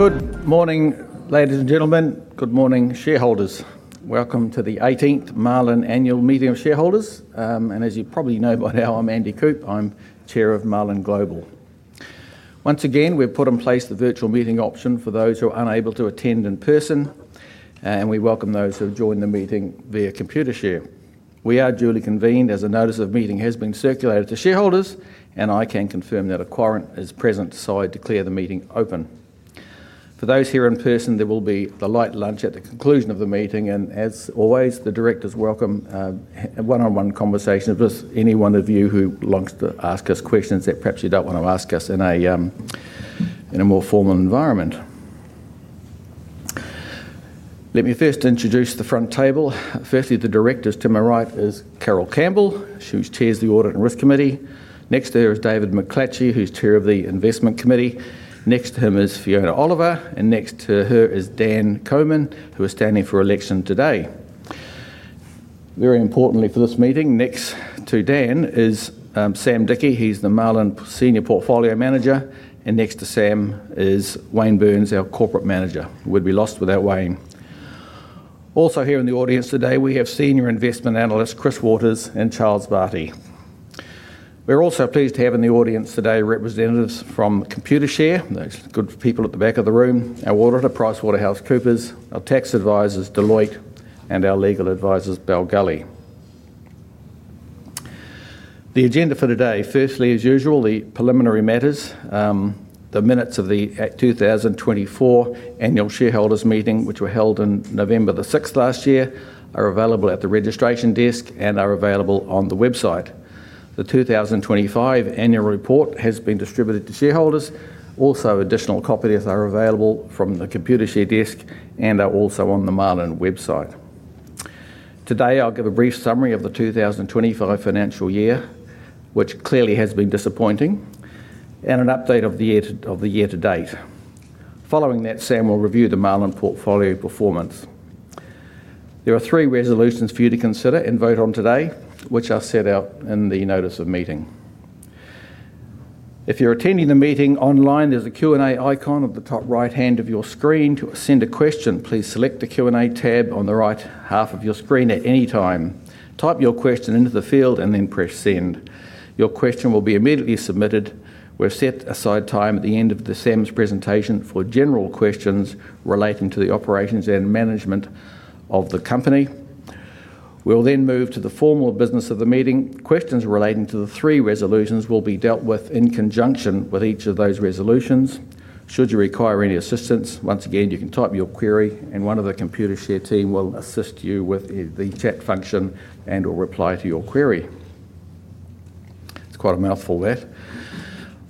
Good morning, ladies and gentlemen. Good morning, Shareholders. Welcome to the 18th Marlin Annual Meeting of Shareholders. As you probably know by now, I'm Andy Coupe. I'm Chair of Marlin Global. Once again, we have put in place the virtual meeting option for those who are unable to attend in person. We welcome those who have joined the meeting via Computershare. We are duly convened as a notice of meeting has been circulated to shareholders, and I can confirm that a quorum is present, so I declare the meeting open. For those here in person, there will be a light lunch at the conclusion of the meeting. As always, the directors welcome one-on-one conversations with any one of you who wants to ask us questions that perhaps you do not want to ask us in a more formal environment. Let me first introduce the front table. Firstly, the Directors to my right is Carol Campbell, who Chairs the Audit and Risk Committee. Next to her is David McClatchy, who's chair of the Investment Committee. Next to him is Fiona Oliver. Next to her is Dan Coman, who is standing for election today. Very importantly for this meeting, next to Dan is Sam Dickie. He's the Marlin Senior Portfolio Manager. Next to Sam is Wayne Burns, our Corporate Manager. We'd be lost without Wayne. Also here in the audience today, we have Senior Investment Analyst Chris Waters and Charles Varty. We're also pleased to have in the audience today representatives from Computershare, those good people at the back of the room, our auditor, PricewaterhouseCoopers, our Tax Advisors, Deloitte, and our Legal Advisors, Bell Gully. The agenda for today, firstly, as usual, the preliminary matters. The minutes of the 2024 Annual Shareholders Meeting, which were held on November the 6th last year, are available at the registration desk and are available on the website. The 2025 Annual Report has been distributed to Shareholders. Also, additional copies are available from the Computershare desk and are also on the Marlin website. Today, I'll give a brief summary of the 2025 financial year, which clearly has been disappointing, and an update of the year-to-date. Following that, Sam will review the Marlin Portfolio performance. There are three resolutions for you to consider and vote on today, which are set out in the notice of meeting. If you're attending the meeting online, there's a Q&A icon at the top right-hand of your screen. To send a question, please select the Q&A tab on the right half of your screen at any time. Type your question into the field and then press send. Your question will be immediately submitted. We've set aside time at the end of Sam's presentation for general questions relating to the operations and management of the company. We'll then move to the formal business of the meeting. Questions relating to the three resolutions will be dealt with in conjunction with each of those resolutions. Should you require any assistance, once again, you can type your query, and one of the Computershare team will assist you with the chat function and/or reply to your query. It's quite a mouthful, that.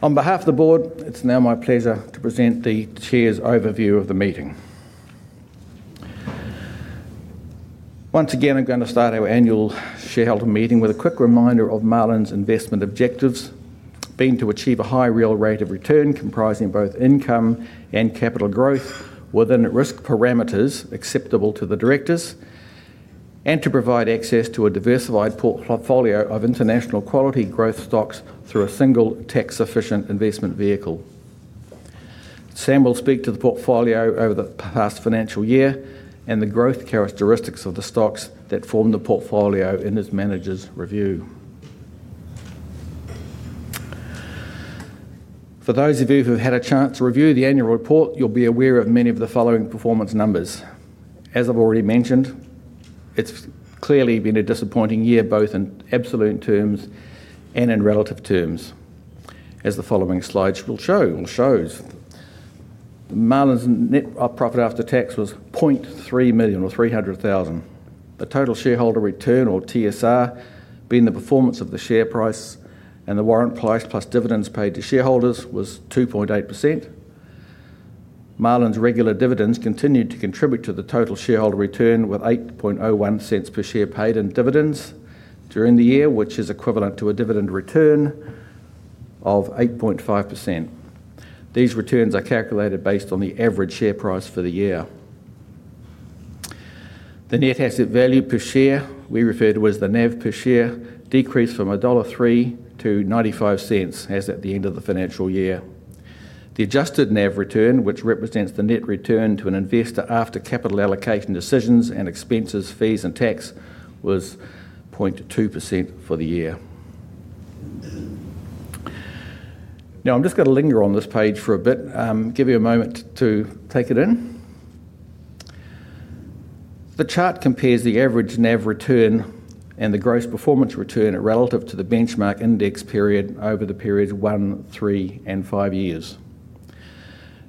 On behalf of the board, it's now my pleasure to present the Chair's overview of the meeting. Once again, I'm going to start our annual shareholder meeting with a quick reminder of Marlin's investment objectives, being to achieve a high real rate of return comprising both income and capital growth within risk parameters acceptable to the Directors. To provide access to a diversified portfolio of international quality growth stocks through a single tax-efficient investment vehicle. Sam will speak to the portfolio over the past financial year and the growth characteristics of the stocks that form the portfolio in his Manager's review. For those of you who had a chance to review the annual report, you'll be aware of many of the following performance numbers. As I've already mentioned, it's clearly been a disappointing year, both in absolute terms and in relative terms, as the following slides will show. Marlin's net profit after tax was $300,000. The Total Shareholder Return, or TSR, being the performance of the share price and the warrant price plus dividends paid to shareholders, was 2.8%. Marlin's regular dividends continued to contribute to the Total Shareholder Return with $0.0801 per share paid in dividends during the year, which is equivalent to a dividend return of 8.5%. These returns are calculated based on the average share price for the year. The net asset value per share, we refer to as the NAV per share, decreased from $1.03 to $0.95 as at the end of the financial year. The Adjusted NAV return, which represents the net return to an investor after capital allocation decisions and expenses, fees, and tax, was 0.2% for the year. Now, I'm just going to linger on this page for a bit. Give you a moment to take it in. The chart compares the average NAV return and the gross performance return relative to the benchmark index period over the periods one, three, and five years.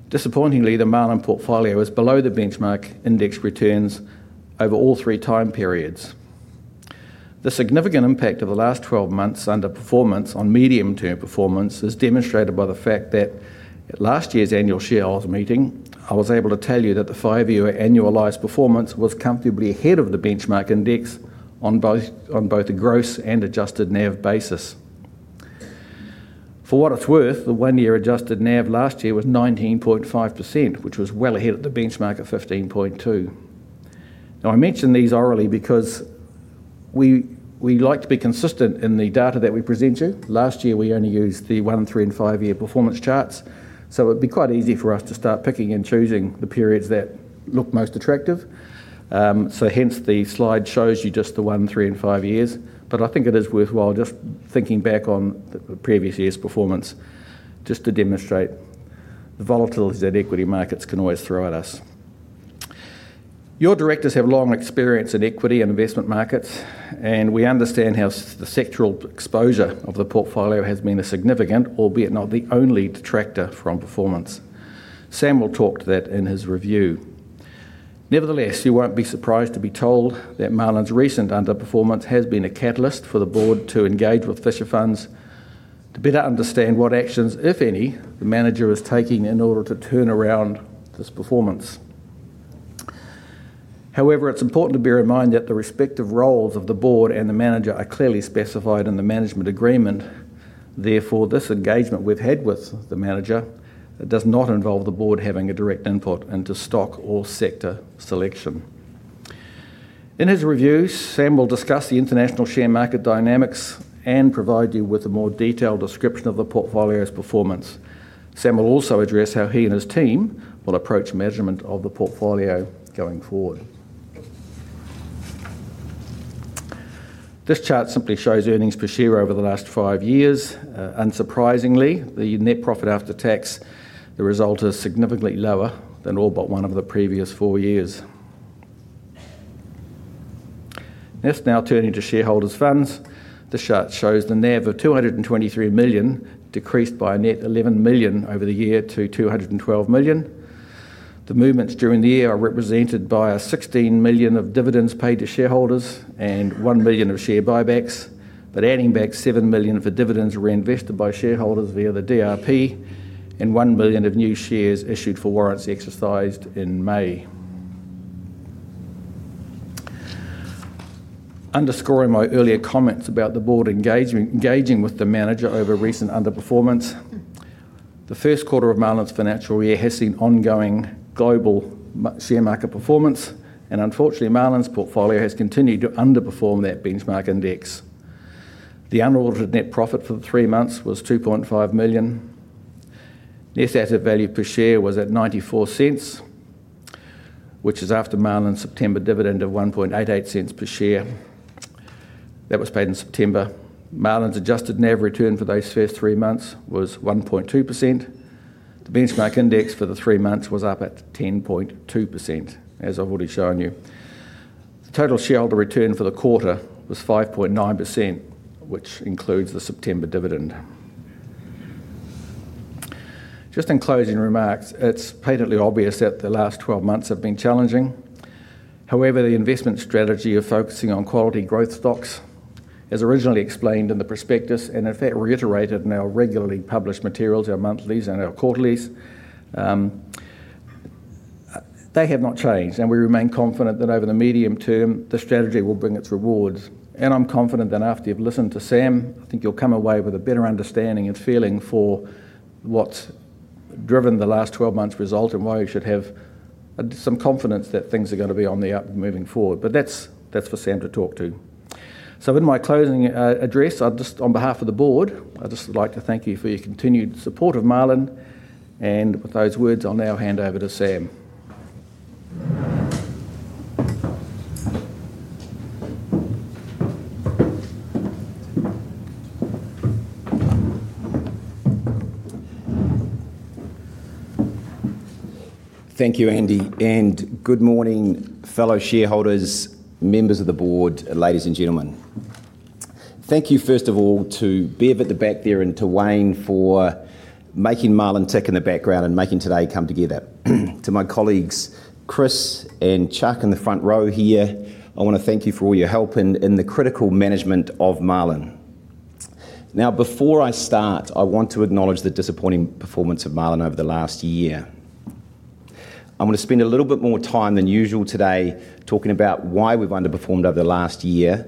Disappointingly, the Marlin Portfolio is below the benchmark index returns over all three time periods. The significant impact of the last 12 months' underperformance on medium-term performance is demonstrated by the fact that at last year's annual shareholders meeting, I was able to tell you that the five-year annualised performance was comfortably ahead of the benchmark index on both a gross and Adjusted NAV basis. For what it's worth, the one-year Adjusted NAV last year was 19.5%, which was well ahead of the benchmark of 15.2%. Now, I mention these orally because. We like to be consistent in the data that we present you. Last year, we only used the one, three, and five-year performance charts, so it would be quite easy for us to start picking and choosing the periods that look most attractive. Hence, the slide shows you just the one, three, and five years. I think it is worthwhile just thinking back on the previous year's performance just to demonstrate the volatilities that equity markets can always throw at us. Your Directors have long experience in equity and investment markets, and we understand how the sectoral exposure of the portfolio has been a significant, albeit not the only, detractor from performance. Sam will talk to that in his review. Nevertheless, you won't be surprised to be told that Marlin's recent underperformance has been a catalyst for the board to engage with Fisher Funds to better understand what actions, if any, the manager is taking in order to turn around this performance. However, it's important to bear in mind that the respective roles of The Board and The Manager are clearly specified in the management agreement. Therefore, this engagement we've had with The Manager does not involve The Board having a direct input into stock or sector selection. In his review, Sam will discuss the international share market dynamics and provide you with a more detailed description of the portfolio's performance. Sam will also address how he and his team will approach measurement of the portfolio going forward. This chart simply shows earnings per share over the last five years. Unsurprisingly, the net profit after tax, the result is significantly lower than all but one of the previous four years. Let's now turn into shareholders' funds. The chart shows the NAV of 223 million, decreased by a net 11 million over the year to 212 million. The movements during the year are represented by 16 million of Dividends paid to shareholders and 1 million of Share buybacks, but adding back 7 million for Dividends reinvested by shareholders via the DRP and 1 million of new shares issued for warrants exercised in May. Underscoring my earlier comments about The Board engaging with the manager over recent underperformance. The first quarter of Marlin's financial year has seen ongoing global share market performance, and unfortunately, Marlin's Portfolio has continued to underperform that benchmark index. The unaudited net profit for the three months was 2.5 million. Net asset value per share was at $0.94. Which is after Marlin's September Dividend of $0.0188 per share. That was paid in September. Marlin's Adjusted NAV return for those first three months was 1.2%. The benchmark index for the three months was up at 10.2%, as I've already shown you. The Total Shareholder Return for the quarter was 5.9%, which includes the September Dividend. Just in closing remarks, it's patently obvious that the last 12 months have been challenging. However, the investment strategy of focusing on quality growth stocks, as originally explained in the prospectus and in fact reiterated in our regularly published materials, our monthlies and our quarterlies. They have not changed, and we remain confident that over the medium term, the strategy will bring its rewards. I'm confident that after you've listened to Sam, I think you'll come away with a better understanding and feeling for what's driven the last 12 months' result and why you should have some confidence that things are going to be on the up moving forward. That is for Sam to talk to. In my closing address, on behalf of The Board, I'd just like to thank you for your continued support of Marlin. With those words, I'll now hand over to Sam. Thank you, Andy. Good morning, fellow Shareholders, members of The Board, ladies and gentlemen. Thank you, first of all, to Bev at the back there and to Wayne for making Marlin tick in the background and making today come together. To my colleagues, Chris and Chuck in the front row here, I want to thank you for all your help in the critical management of Marlin. Now, before I start, I want to acknowledge the disappointing performance of Marlin over the last year. I'm going to spend a little bit more time than usual today talking about why we've underperformed over the last year,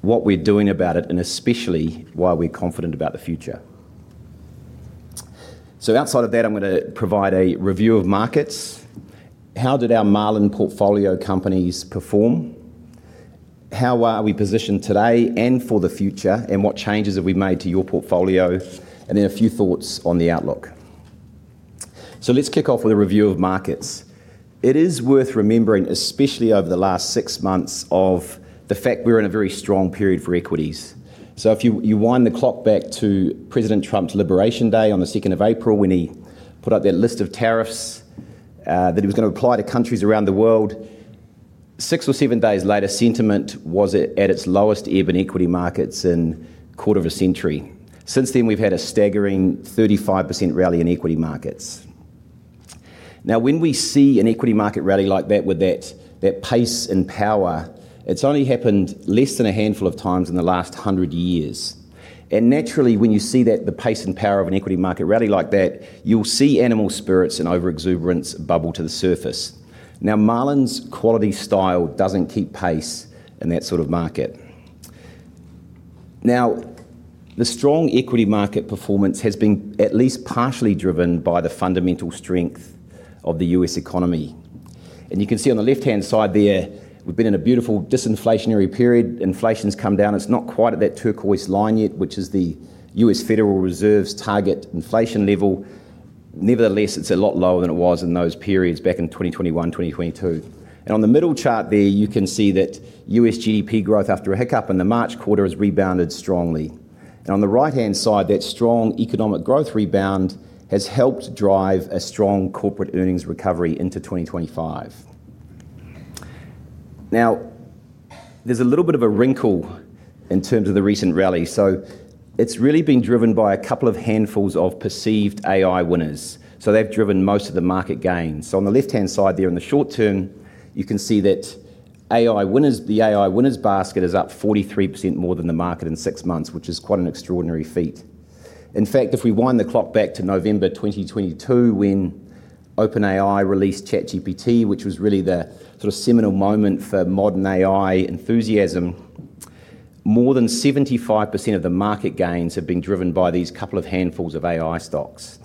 what we're doing about it, and especially why we're confident about the future. Outside of that, I'm going to provide a review of markets. How did our Marlin Portfolio companies perform? How are we positioned today and for the future, and what changes have we made to your portfolio? Then a few thoughts on the outlook. Let's kick off with a review of markets. It is worth remembering, especially over the last six months, the fact we're in a very strong period for equities. If you wind the clock back to President Trump's Liberation Day on the 2nd of April, when he put up that list of tariffs that he was going to apply to countries around the world, six or seven days later, sentiment was at its lowest ever in equity markets in a quarter of a century. Since then, we've had a staggering 35% rally in equity markets. Now, when we see an equity market rally like that with that pace and power, it's only happened less than a handful of times in the last 100 years. Naturally, when you see the pace and power of an equity market rally like that, you'll see animal spirits and overexuberance bubble to the surface. Now, Marlin's quality style doesn't keep pace in that sort of market. The strong equity market performance has been at least partially driven by the fundamental strength of the U.S. economy. You can see on the left-hand side there, we've been in a beautiful disinflationary period. Inflation's come down. It's not quite at that turquoise line yet, which is the U.S. Federal Reserve's target inflation level. Nevertheless, it's a lot lower than it was in those periods back in 2021, 2022. On the middle chart there, you can see that U.S. GP growth after a hiccup in the March quarter has rebounded strongly. On the right-hand side, that strong economic growth rebound has helped drive a strong corporate earnings recovery into 2025. Now, there's a little bit of a wrinkle in terms of the recent rally. It's really been driven by a couple of handfuls of perceived AI winners. They've driven most of the market gains. On the left-hand side there, in the short term, you can see that the AI winners basket is up 43% more than the market in six months, which is quite an extraordinary feat. In fact, if we wind the clock back to November 2022, when OpenAI released ChatGPT, which was really the seminal moment for modern AI enthusiasm. More than 75% of the market gains have been driven by these couple of handfuls of AI stocks.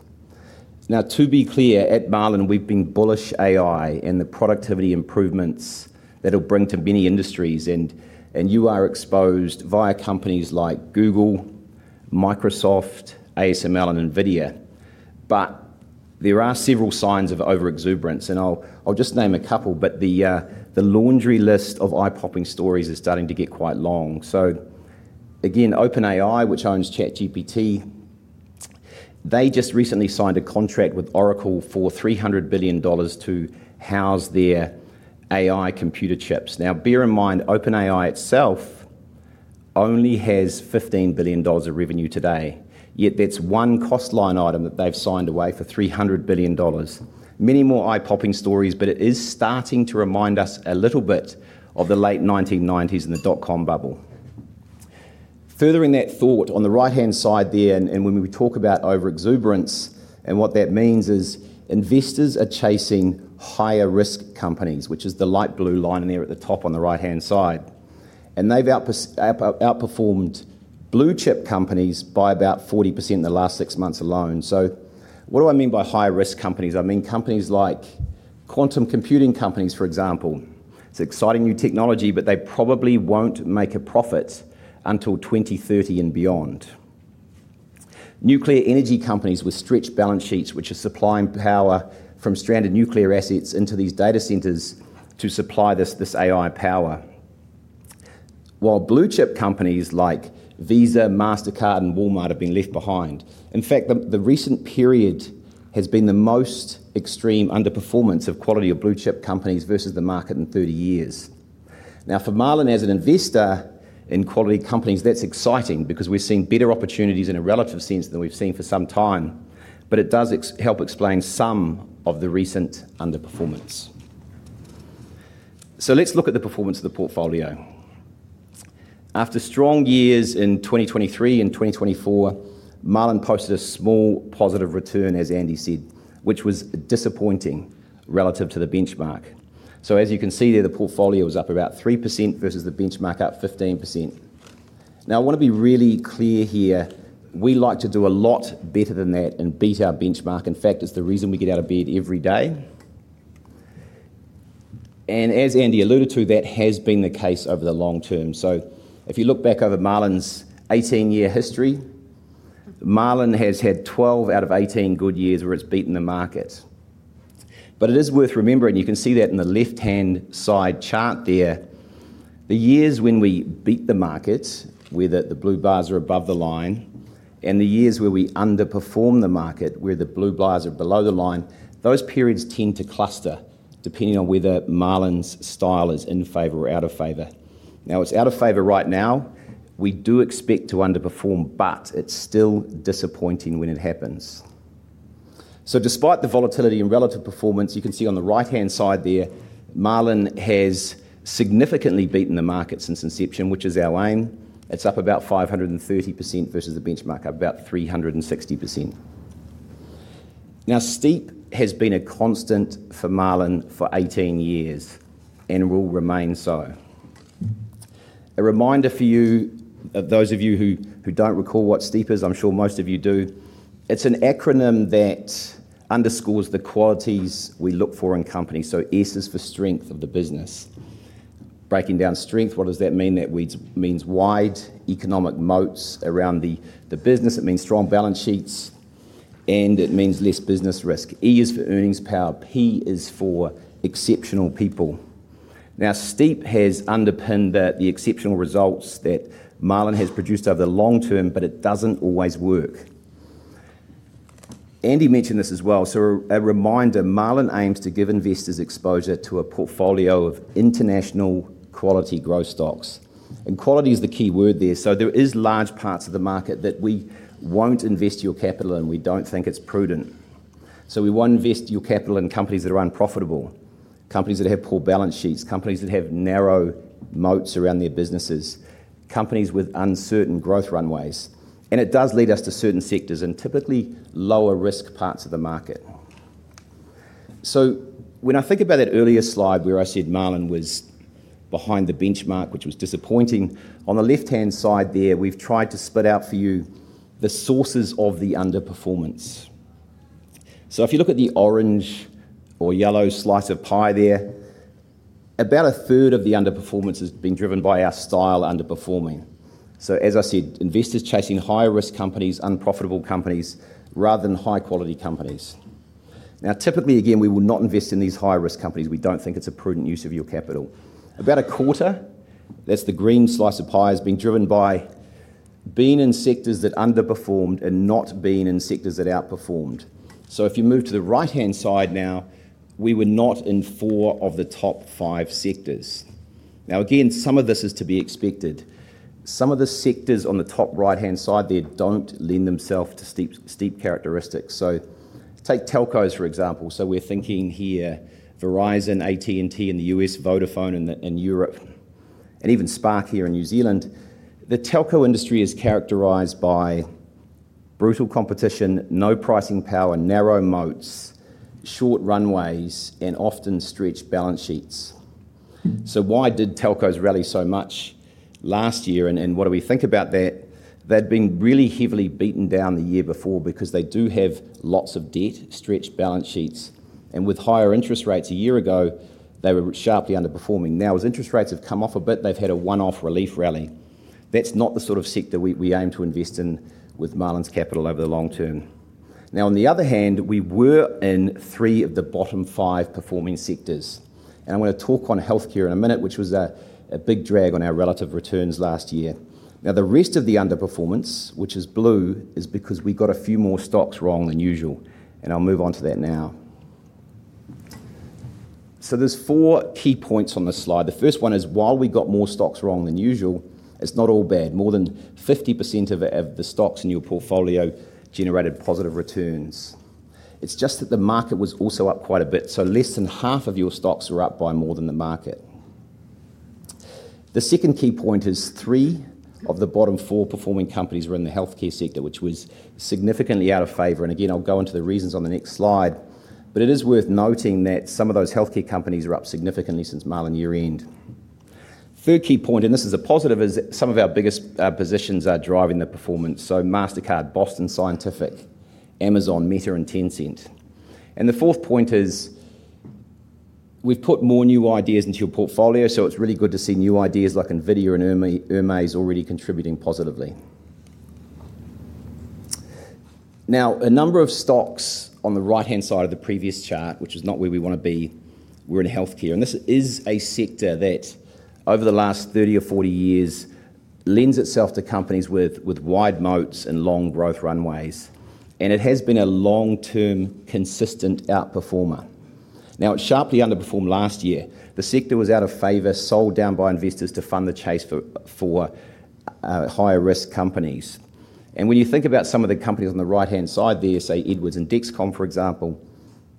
Now, to be clear, at Marlin, we've been bullish on AI and the productivity improvements that it'll bring to many industries. You are exposed via companies like Google, Microsoft, ASML, and NVIDIA. There are several signs of overexuberance. I'll just name a couple. The laundry list of eye-popping stories is starting to get quite long. Again, OpenAI, which owns ChatGPT. They just recently signed a contract with Oracle for $300 billion to house their AI computer chips. Now, bear in mind, OpenAI itself only has $15 billion of revenue today. Yet that's one cost line item that they've signed away for $300 billion. Many more eye-popping stories, but it is starting to remind us a little bit of the late 1990s and the dot-com bubble. Furthering that thought, on the right-hand side there, and when we talk about overexuberance and what that means, is investors are chasing higher-risk companies, which is the light blue line there at the top on the right-hand side. They have outperformed blue-chip companies by about 40% in the last six months alone. What do I mean by high-risk companies? I mean companies like quantum computing companies, for example. It is exciting new technology, but they probably will not make a profit until 2030 and beyond. Nuclear energy companies with stretched balance sheets, which are supplying power from stranded nuclear assets into these data centers to supply this AI power. While blue-chip companies like Visa, Mastercard, and Walmart have been left behind. In fact, the recent period has been the most extreme underperformance of quality of blue-chip companies versus the market in 30 years. Now, for Marlin, as an investor in quality companies, that's exciting because we're seeing better opportunities in a relative sense than we've seen for some time. It does help explain some of the recent underperformance. Let's look at the performance of the portfolio. After strong years in 2023 and 2024, Marlin posted a small positive return, as Andy said, which was disappointing relative to the benchmark. As you can see there, the portfolio was up about 3% versus the benchmark up 15%. I want to be really clear here. We like to do a lot better than that and beat our benchmark. In fact, it's the reason we get out of bed every day. As Andy alluded to, that has been the case over the long term. If you look back over Marlin's 18-year history, Marlin has had 12 out of 18 good years where it's beaten the market. It is worth remembering, you can see that in the left-hand side chart there, the years when we beat the market, where the blue bars are above the line, and the years where we underperform the market, where the blue bars are below the line, those periods tend to cluster depending on whether Marlin's style is in favor or out of favor. Now, it's out of favor right now. We do expect to underperform, but it's still disappointing when it happens. Despite the volatility in relative performance, you can see on the right-hand side there, Marlin has significantly beaten the market since inception, which is our aim. It's up about 530% versus the benchmark up about 360%. Now, STEEPP has been a constant for Marlin for 18 years and will remain so. A reminder for you, those of you who don't recall what STEEPP is, I'm sure most of you do. It's an acronym that underscores the qualities we look for in companies. S is for Strength of the business. Breaking down strength, what does that mean? That means wide economic moats around the business. It means strong balance sheets, and it means less business risk. E is for Earnings Power. P is for Exceptional People. Now, STEEP has underpinned the exceptional results that Marlin has produced over the long term, but it doesn't always work. Andy mentioned this as well. A reminder, Marlin aims to give investors exposure to a portfolio of international quality growth stocks. Quality is the key word there. There are large parts of the market that we won't invest your capital in. We don't think it's prudent. We won't invest your capital in companies that are unprofitable, companies that have poor balance sheets, companies that have narrow moats around their businesses, companies with uncertain growth runways. It does lead us to certain sectors and typically lower-risk parts of the market. When I think about that earlier slide where I said Marlin was behind the benchmark, which was disappointing, on the left-hand side there, we've tried to split out for you the sources of the underperformance. If you look at the orange or yellow slice of pie there, about a third of the underperformance has been driven by our style underperforming. As I said, investors chasing high-risk companies, unprofitable companies, rather than high-quality companies. Now, typically, again, we will not invest in these high-risk companies. We don't think it's a prudent use of your capital. About a quarter, that's the green slice of pie, has been driven by being in sectors that underperformed and not being in sectors that outperformed. If you move to the right-hand side now, we were not in four of the top five sectors. Again, some of this is to be expected. Some of the sectors on the top right-hand side there don't lend themselves to STEEPP characteristics. Take telcos, for example. We're thinking here Verizon, AT&T in the U.S., Vodafone in Europe, and even Spark here in New Zealand. The telco industry is characterized by brutal competition, no pricing power, narrow moats, short runways, and often stretched balance sheets. Why did telcos rally so much last year? What do we think about that? They'd been really heavily beaten down the year before because they do have lots of debt, stretched balance sheets, and with higher interest rates a year ago, they were sharply underperforming. Now, as interest rates have come off a bit, they've had a one-off relief rally. That's not the sort of sector we aim to invest in with Marlin's capital over the long term. Now, on the other hand, we were in three of the bottom five performing sectors. I'm going to talk on Healthcare in a minute, which was a big drag on our relative returns last year. Now, the rest of the underperformance, which is blue, is because we got a few more stocks wrong than usual. I'll move on to that now. There are four key points on this slide. The first one is, while we got more stocks wrong than usual, it's not all bad. More than 50% of the stocks in your portfolio generated positive returns. It's just that the market was also up quite a bit. So less than half of your stocks were up by more than the market. The second key point is three of the bottom four performing companies were in the Healthcare sector, which was significantly out of favor. And again, I'll go into the reasons on the next slide. But it is worth noting that some of those Healthcare companies are up significantly since Marlin year-end. Third key point, and this is a positive, is some of our biggest positions are driving the performance. So Mastercard, Boston Scientific, Amazon, Meta, and Tencent. And the fourth point is. We've put more new ideas into your portfolio. It is really good to see new ideas like NVIDIA and Hermès already contributing positively. Now, a number of stocks on the right-hand side of the previous chart, which is not where we want to be, were in Healthcare. This is a sector that over the last 30 or 40 years lends itself to companies with wide moats and long growth runways. It has been a long-term consistent outperformer. It sharply underperformed last year. The sector was out of favor, sold down by investors to fund the chase for higher-risk companies. When you think about some of the companies on the right-hand side there, say Edwards and DexCom, for example,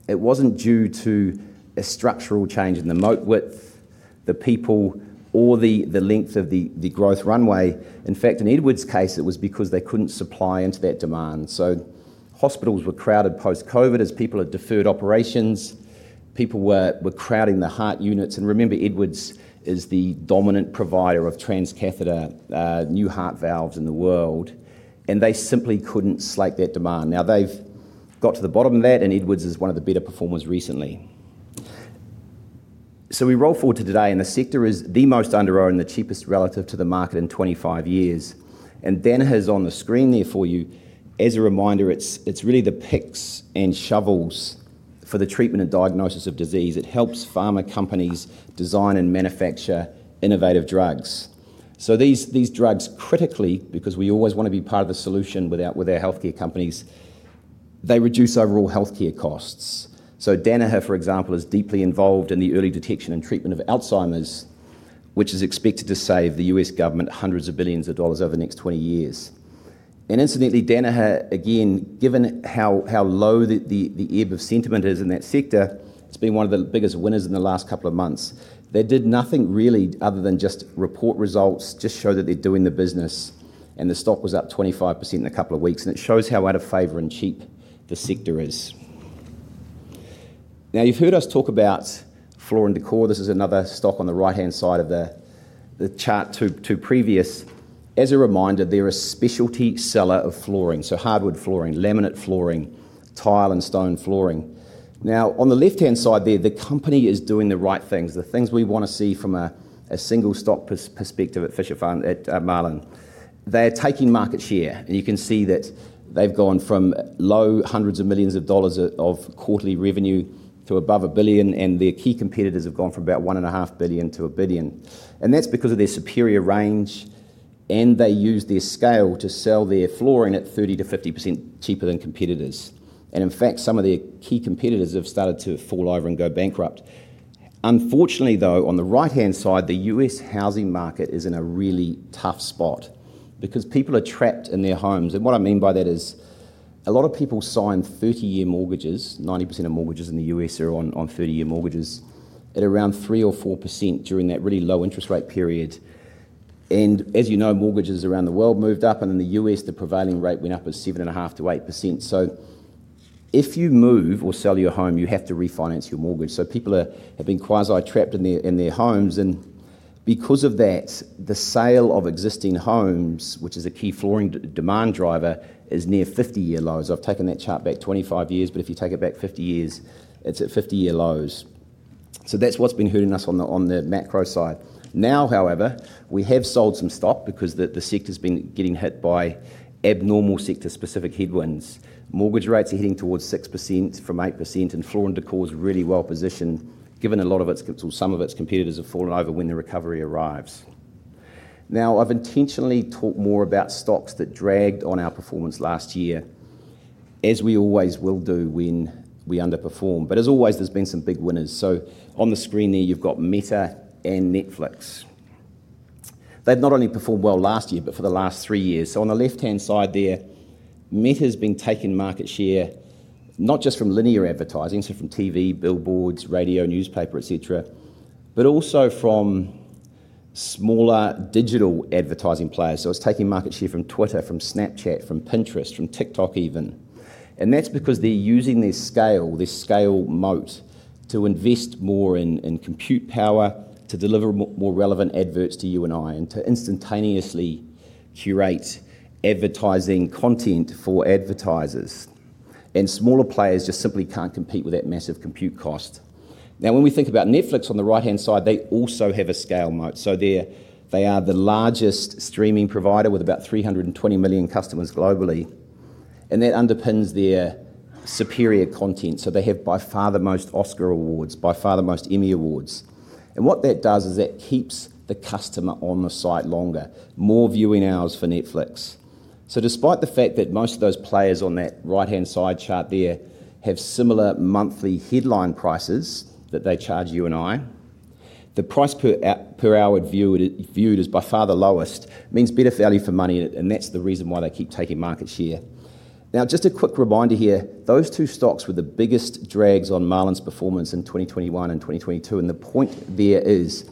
it was not due to a structural change in the moat width, the people, or the length of the growth runway. In fact, in Edwards' case, it was because they could not supply into that demand. Hospitals were crowded post-COVID as people had deferred operations. People were crowding the heart units. Remember, Edwards is the dominant provider of transcatheter new heart valves in the world. They simply could not slate that demand. Now, they have got to the bottom of that, and Edwards is one of the better performers recently. We roll forward to today, and the sector is the most underwhelming, the cheapest relative to the market in 25 years. Danaher has on the screen there for you, as a reminder, it is really the picks and shovels for the treatment and diagnosis of disease. It helps pharma companies design and manufacture innovative drugs. These drugs, critically, because we always want to be part of the solution with our Healthcare companies, reduce overall Healthcare costs. Danaher, for example, is deeply involved in the early detection and treatment of Alzheimer's, which is expected to save the U.S. government hundreds of billions of dollars over the next 20 years. Incidentally, Danaher, again, given how low the ebb of sentiment is in that sector, has been one of the biggest winners in the last couple of months. They did nothing really other than just report results, just show that they're doing the business. The stock was up 25% in a couple of weeks. It shows how out of favor and cheap the sector is. You've heard us talk about Floor & Decor. This is another stock on the right-hand side of the chart to previous. As a reminder, they're a specialty seller of flooring. So hardwood flooring, laminate flooring, tile and stone flooring. Now, on the left-hand side there, the company is doing the right things. The things we want to see from a single-stock perspective at Marlin, they're taking market share. You can see that they've gone from low hundreds of millions of dollars of quarterly revenue to above $1 billion. Their key competitors have gone from about $1.5 billion to $1 billion. That is because of their superior range. They use their scale to sell their flooring at 30%-50% cheaper than competitors. In fact, some of their key competitors have started to fall over and go bankrupt. Unfortunately, though, on the right-hand side, the U.S. housing market is in a really tough spot because people are trapped in their homes. What I mean by that is a lot of people sign 30-year mortgages. 90% of mortgages in the U.S. are on 30-year mortgages at around 3% or 4% during that really low interest rate period. As you know, mortgages around the world moved up. In the U.S., the prevailing rate went up to 7.5%-8%. If you move or sell your home, you have to refinance your mortgage. People have been quasi-trapped in their homes. Because of that, the sale of existing homes, which is a key flooring demand driver, is near 50-year lows. I've taken that chart back 25 years, but if you take it back 50 years, it's at 50-year lows. That's what's been hurting us on the macro side. However, we have sold some stock because the sector's been getting hit by abnormal sector-specific headwinds. Mortgage rates are heading towards 6% from 8%. Floor & Decor is really well-positioned, given a lot of its or some of its competitors have fallen over when the recovery arrives. I've intentionally talked more about stocks that dragged on our performance last year, as we always will do when we underperform. As always, there's been some big winners. On the screen there, you've got Meta and Netflix. They've not only performed well last year but for the last three years. On the left-hand side there, Meta has been taking market share not just from linear advertising, so from TV, billboards, radio, newspaper, et cetera, but also from smaller digital advertising players. It's taking market share from Twitter, from Snapchat, from Pinterest, from TikTok even. That is because they are using their scale, their scale moat, to invest more in compute power, to deliver more relevant adverts to you and I, and to instantaneously curate advertising content for advertisers. Smaller players just simply cannot compete with that massive compute cost. When we think about Netflix on the right-hand side, they also have a scale moat. They are the largest streaming provider with about 320 million customers globally. That underpins their superior content. They have by far the most Oscar Awards, by far the most Emmy Awards. What that does is that keeps the customer on the site longer, more viewing hours for Netflix. Despite the fact that most of those players on that right-hand side chart there have similar monthly headline prices that they charge you and I, the price per hour viewed is by far the lowest, means better value for money. That is the reason why they keep taking market share. Now, just a quick reminder here, those two stocks were the biggest drags on Marlin's performance in 2021 and 2022. The point there is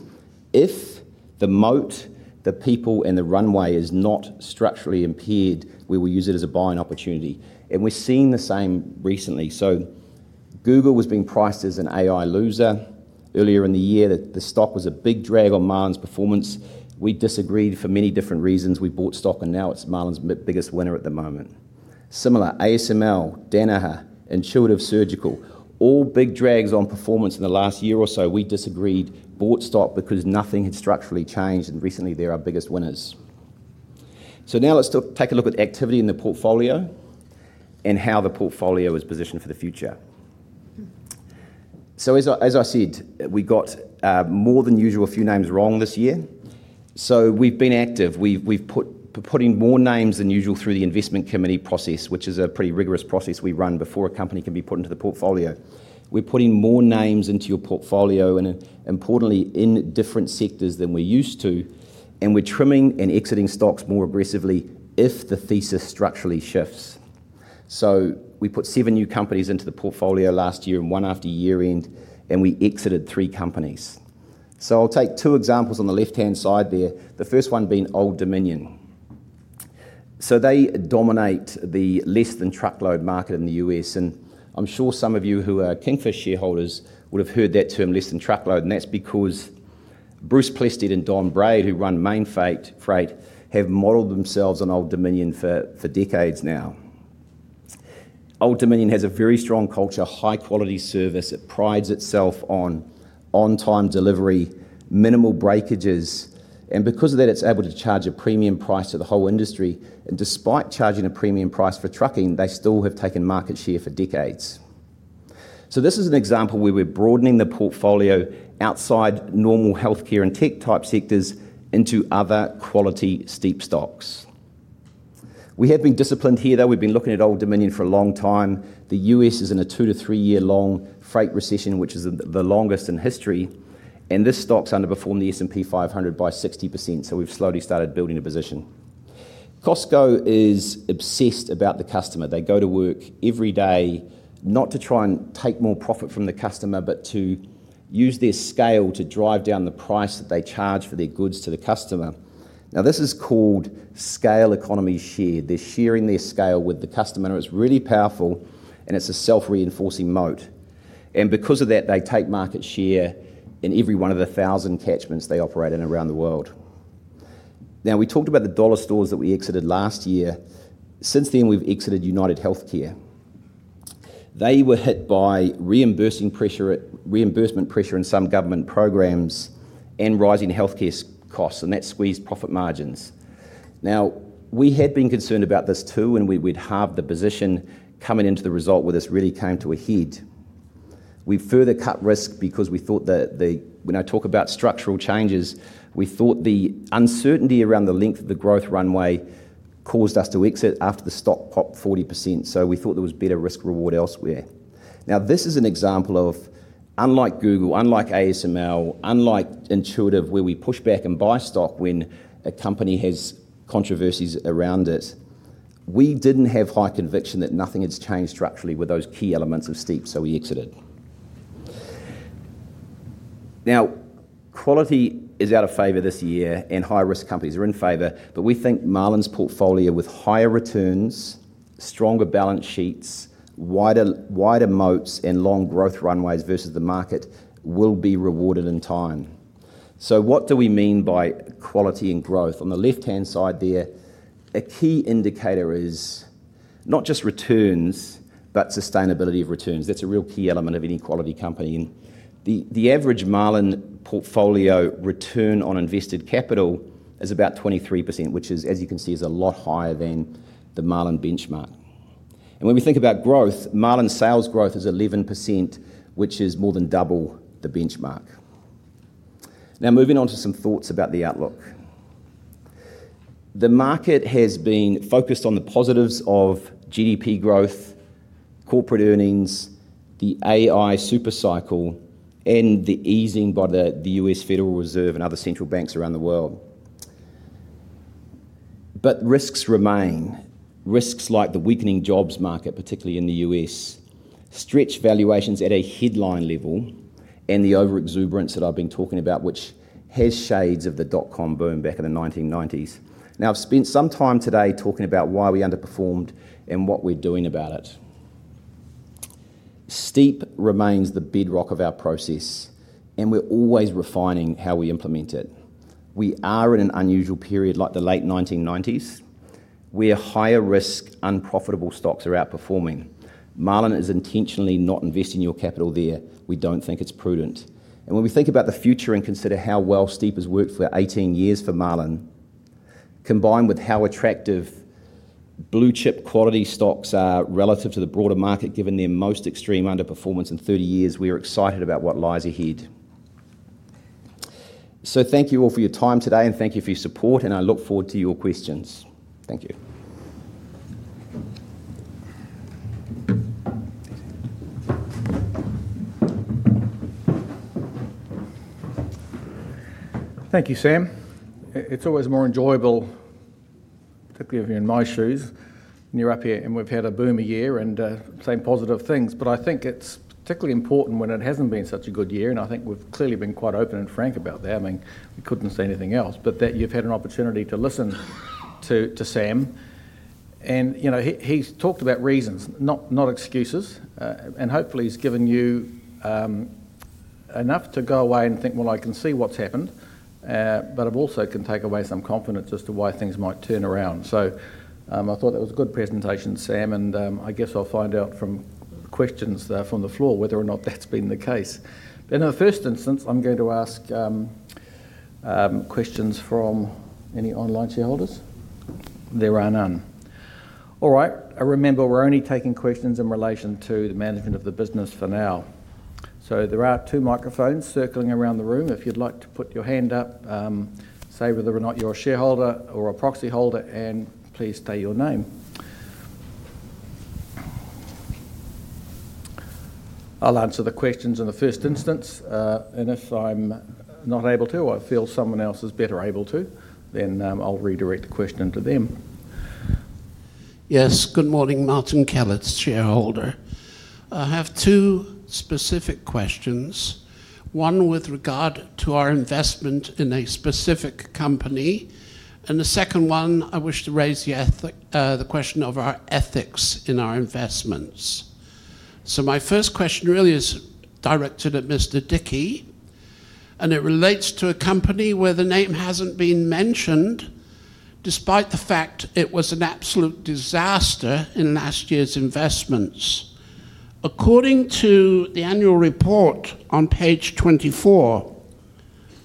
if the moat, the people, and the runway is not structurally impaired, we will use it as a buying opportunity. We are seeing the same recently. Google was being priced as an AI loser earlier in the year. The stock was a big drag on Marlin's performance. We disagreed for many different reasons. We bought stock. Now it is Marlin's biggest winner at the moment. Similar, ASML, Danaher, Intuitive Surgical, all big drags on performance in the last year or so. We disagreed, bought stock because nothing had structurally changed. Recently, they're our biggest winners. Now let's take a look at activity in the portfolio. How the portfolio is positioned for the future. As I said, we got more than usual a few names wrong this year. We've been active. We've been putting more names than usual through the investment committee process, which is a pretty rigorous process we run before a company can be put into the portfolio. We're putting more names into your portfolio and, importantly, in different sectors than we're used to. We're trimming and exiting stocks more aggressively if the thesis structurally shifts. We put seven new companies into the portfolio last year and one after year-end. We exited three companies. I'll take two examples on the left-hand side there, the first one being Old Dominion. They dominate the less-than-truckload market in the U.S. I'm sure some of you who are Kenfast shareholders would have heard that term, less-than-truckload. That's because Bruce Plested and Don Braid, who run Mainfreight, have modeled themselves on Old Dominion for decades now. Old Dominion has a very strong culture, high-quality service. It prides itself on on-time delivery, minimal breakages. Because of that, it's able to charge a premium price to the whole industry. Despite charging a premium price for trucking, they still have taken market share for decades. This is an example where we're broadening the portfolio outside normal Healthcare and tech-type sectors into other quality STEEPP stocks. We have been disciplined here, though. We've been looking at Old Dominion for a long time. The U.S. is in a two- to three-year-long freight recession, which is the longest in history. This stock's underperformed the S&P 500 by 60%. We've slowly started building a position. Costco is obsessed about the customer. They go to work every day, not to try and take more profit from the customer, but to use their scale to drive down the price that they charge for their goods to the customer. This is called scale economy share. They're sharing their scale with the customer. It's really powerful. It's a self-reinforcing moat. Because of that, they take market share in every one of the 1,000 catchments they operate in around the world. We talked about the dollar stores that we exited last year. Since then, we've exited UnitedHealthcare. They were hit by reimbursement pressure in some government programs and rising Healthcare costs. That squeezed profit margins. We had been concerned about this too. We had halved the position coming into the result where this really came to a head. We further cut risk because we thought that when I talk about structural changes, we thought the uncertainty around the length of the growth runway caused us to exit after the stock popped 40%. We thought there was better risk-reward elsewhere. This is an example of, unlike Google, unlike ASML, unlike Intuitive, where we push back and buy stock when a company has controversies around it. We did not have high conviction that nothing had changed structurally with those key elements of STEEPP. We exited. Quality is out of favor this year. High-risk companies are in favor. We think Marlin's Portfolio with higher returns, stronger balance sheets, wider moats, and long growth runways versus the market will be rewarded in time. What do we mean by quality and growth? On the left-hand side there, a key indicator is not just returns but sustainability of returns. That's a real key element of any quality company. The average Marlin Portfolio return on invested capital is about 23%, which, as you can see, is a lot higher than the Marlin benchmark. When we think about growth, Marlin's sales growth is 11%, which is more than double the benchmark. Now, moving on to some thoughts about the outlook. The market has been focused on the positives of GDP growth, corporate earnings, the AI supercycle, and the easing by the U.S. Federal Reserve and other central banks around the world. Risks remain. Risks like the weakening jobs market, particularly in the U.S., stretch valuations at a headline level and the overexuberance that I've been talking about, which has shades of the dot-com boom back in the 1990s. Now, I've spent some time today talking about why we underperformed and what we're doing about it. STEEPP remains the bedrock of our process. And we're always refining how we implement it. We are in an unusual period like the late 1990s where higher-risk, unprofitable stocks are outperforming. Marlin is intentionally not investing your capital there. We don't think it's prudent. And when we think about the future and consider how well STEEPP has worked for 18 years for Marlin. Combined with how attractive blue-chip quality stocks are relative to the broader market, given their most extreme underperformance in 30 years, we're excited about what lies ahead. So thank you all for your time today. Thank you for your support. I look forward to your questions. Thank you. Thank you, Sam. It's always more enjoyable, particularly if you're in my shoes and you're up here and we've had a boom year and same positive things. I think it's particularly important when it hasn't been such a good year. I think we've clearly been quite open and frank about that. I mean, we couldn't say anything else. You've had an opportunity to listen to Sam, and he's talked about reasons, not excuses. Hopefully, he's given you enough to go away and think, "Well, I can see what's happened. I also can take away some confidence as to why things might turn around." I thought that was a good presentation, Sam. I guess I'll find out from questions from the floor whether or not that's been the case. In the first instance, I'm going to ask questions from any online Shareholders. There are none. All right. I remember we're only taking questions in relation to the management of the business for now. There are two microphones circling around the room. If you'd like to put your hand up, say whether or not you're a Shareholder or a proxy holder, and please state your name. I'll answer the questions in the first instance. If I'm not able to or I feel someone else is better able to, then I'll redirect the question to them. Yes. Good morning, Martin Klieth, Shareholder. I have two specific questions, one with regard to our investment in a specific company. The second one, I wish to raise the question of our ethics in our investments. My first question really is directed at Mr. Dickie. It relates to a company where the name hasn't been mentioned despite the fact it was an absolute disaster in last year's investments. According to the annual report on page 24,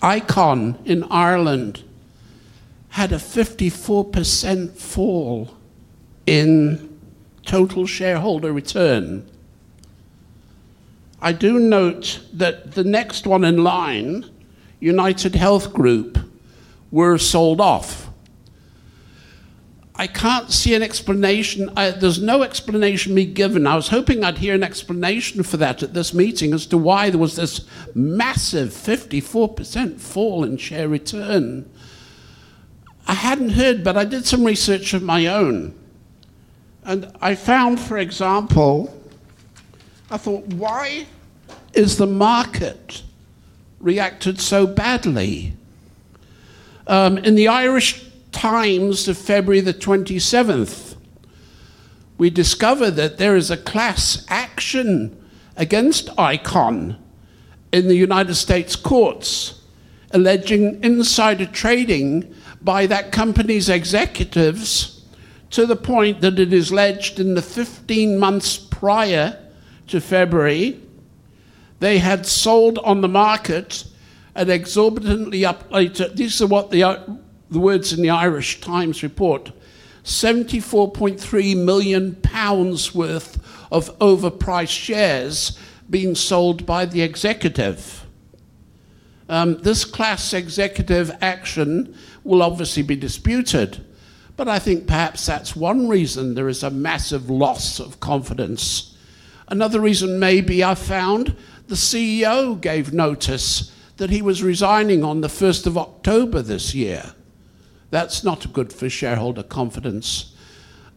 ICON in Ireland had a 54% fall in Total Shareholder Return. I do note that the next one in line, UnitedHealth Group, were sold off. I can't see an explanation. There's no explanation to be given. I was hoping I'd hear an explanation for that at this meeting as to why there was this massive 54% fall in share return. I hadn't heard, but I did some research of my own. I found, for example, I thought, "Why has the market reacted so badly?" In the Irish Times of February the 27th, we discover that there is a class action against ICON in the United States Courts alleging insider trading by that company's executives to the point that it is alleged in the 15 months prior to February, they had sold on the market an exorbitantly updated—these are the words in the Irish Times report—GBP 74.3 million worth of overpriced shares being sold by the executive. This class executive action will obviously be disputed. I think perhaps that's one reason there is a massive loss of confidence. Another reason may be I found the CEO gave notice that he was resigning on the 1st of October this year. That's not good for shareholder confidence.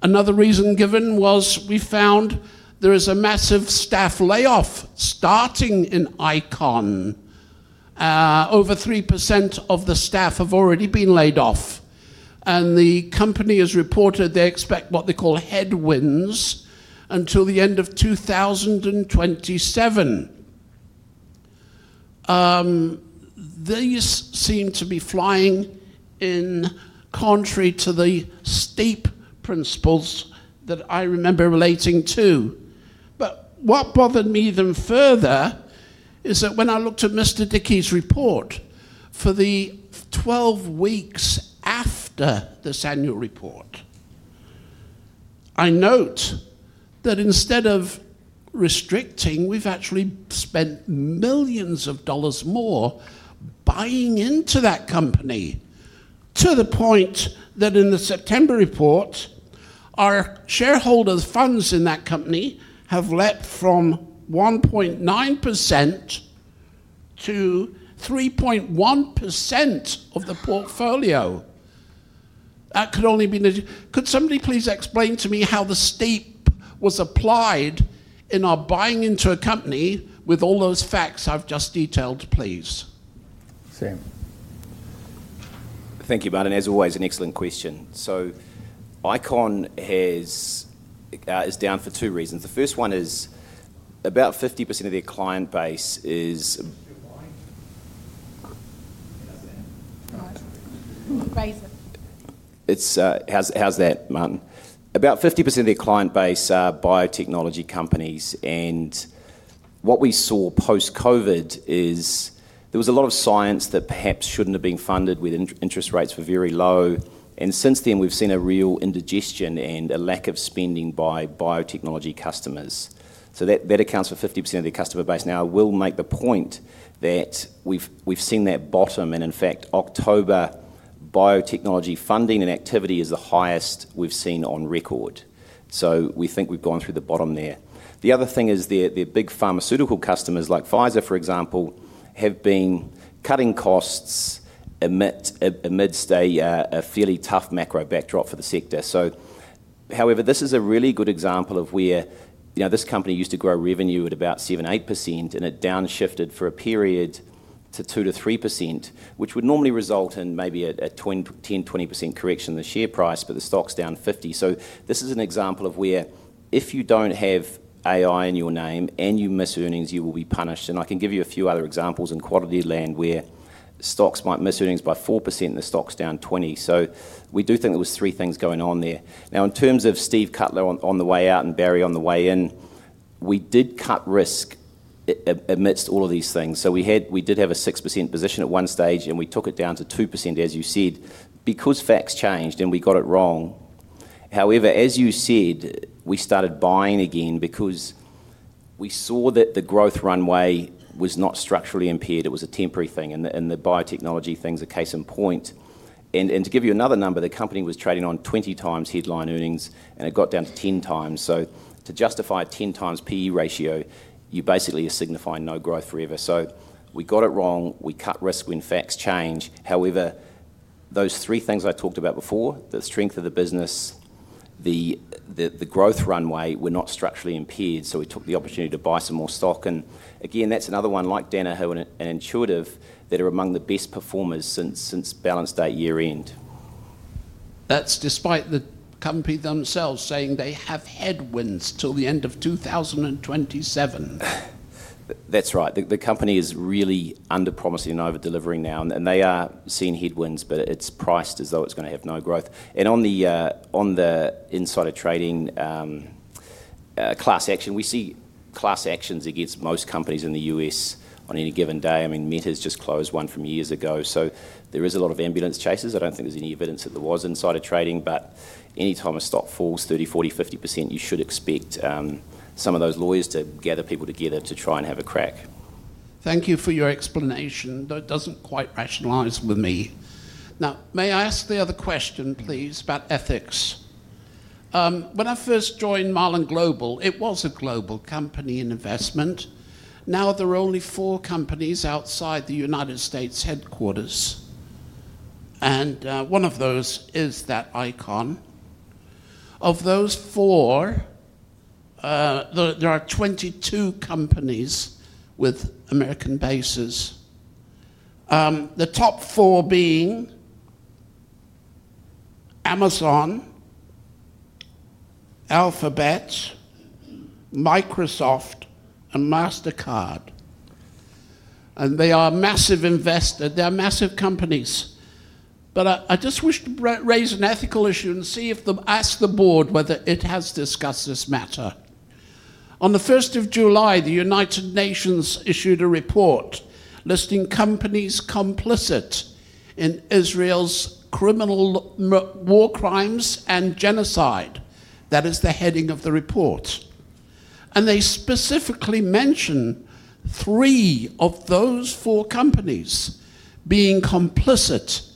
Another reason given was we found there is a massive staff layoff starting in ICON. Over 3% of the staff have already been laid off. The company has reported they expect what they call headwinds until the end of 2027. These seem to be flying in contrary to the STEEPP principles that I remember relating to. What bothered me even further is that when I looked at Mr. Dickie's report for the 12 weeks after the annual report, I note that instead of restricting, we have actually spent millions of dollars more buying into that company. To the point that in the September report, our shareholder funds in that company have leapt from 1.9% to 3.1% of the portfolio. That could only be—could somebody please explain to me how the STEEPP was applied in our buying into a company with all those facts I have just detailed, please? Sam. Thank you, Martin. As always, an excellent question. ICON is down for two reasons. The first one is about 50% of their client base is. Crazy. How's that, Martin? About 50% of their client base are biotechnology companies. And. What we saw post-COVID is there was a lot of science that perhaps shouldn't have been funded with interest rates very low. And since then, we've seen a real indigestion and a lack of spending by biotechnology customers. So that accounts for 50% of their customer base. Now, I will make the point that we've seen that bottom. And in fact, October. Biotechnology funding and activity is the highest we've seen on record. So we think we've gone through the bottom there. The other thing is their big pharmaceutical customers like Pfizer, for example, have been cutting costs. Amidst a fairly tough macro backdrop for the sector. However, this is a really good example of where this company used to grow revenue at about 7%, 8%. And it downshifted for a period to 2% to 3%, which would normally result in maybe a 10%, 20% correction in the share price, but the stock's down 50%. So this is an example of where if you don't have AI in your name and you miss earnings, you will be punished. And I can give you a few other examples in quality land where stocks might miss earnings by 4% and the stock's down 20%. So we do think there were three things going on there. Now, in terms of Steve Kutler on the way out and Barry on the way in, we did cut risk. Amidst all of these things. So we did have a 6% position at one stage. And we took it down to 2%, as you said, because facts changed and we got it wrong. However, as you said, we started buying again because we saw that the growth runway was not structurally impaired. It was a temporary thing. And the biotechnology thing is a case in point. And to give you another number, the company was trading on 20x headline earnings. And it got down to 10x. So to justify a 10x P/E ratio, you basically are signifying no growth forever. So we got it wrong. We cut risk when facts change. However, those three things I talked about before, the strength of the business. The growth runway, we're not structurally impaired. So we took the opportunity to buy some more stock. And again, that's another one like Danaher and Intuitive that are among the best performers since balance date year-end. That's despite the company themselves saying they have headwinds till the end of 2027. That's right. The company is really under-promising and over-delivering now. And they are seeing headwinds, but it's priced as though it's going to have no growth. And on the. Insider trading. Class section, we see class sections against most companies in the U.S. on any given day. I mean, Meta has just closed oe from years ago. So there is a lot of ambulance chases. I don't think there's any evidence that there was insider trading. But any time a stock falls 30%, 40%, 50%, you should expect some of those lawyers to gather people together to try and have a crack. Thank you for your explanation. That doesn't quite rationalize with me. Now, may I ask the other question, please, about ethics? When I first joined Marlin Global, it was a global company in investment. Now, there are only four companies outside the United States headquarters. And one of those is that ICON. Of those four. There are 22 companies with American bases. The top four being. Amazon. Alphabet. Microsoft, and Mastercard. And they are massive investors. They are massive companies. But I just wish to raise an ethical issue and ask the board whether it has discussed this matter. On the 1st of July, the United Nations issued a report. Listing companies complicit. In Israel's criminal. War crimes and genocide. That is the heading of the report. And they specifically mention. Three of those four companies being complicit.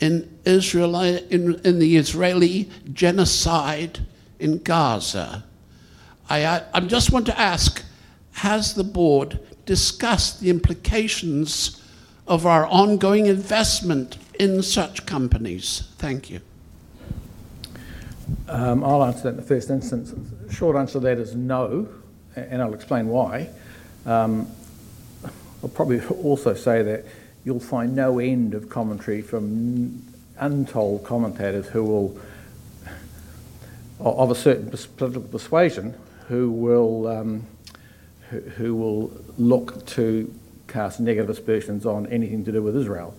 In the. Israeli genocide in Gaza. I just want to ask, has The Board discussed the implications of our ongoing investment in such companies? Thank you. I'll answer that in the first instance. Short answer to that is no. I'll explain why. I'll probably also say that you'll find no end of commentary from untold commentators who will, of a certain political persuasion, who will look to cast negative aspersions on anything to do with Israel.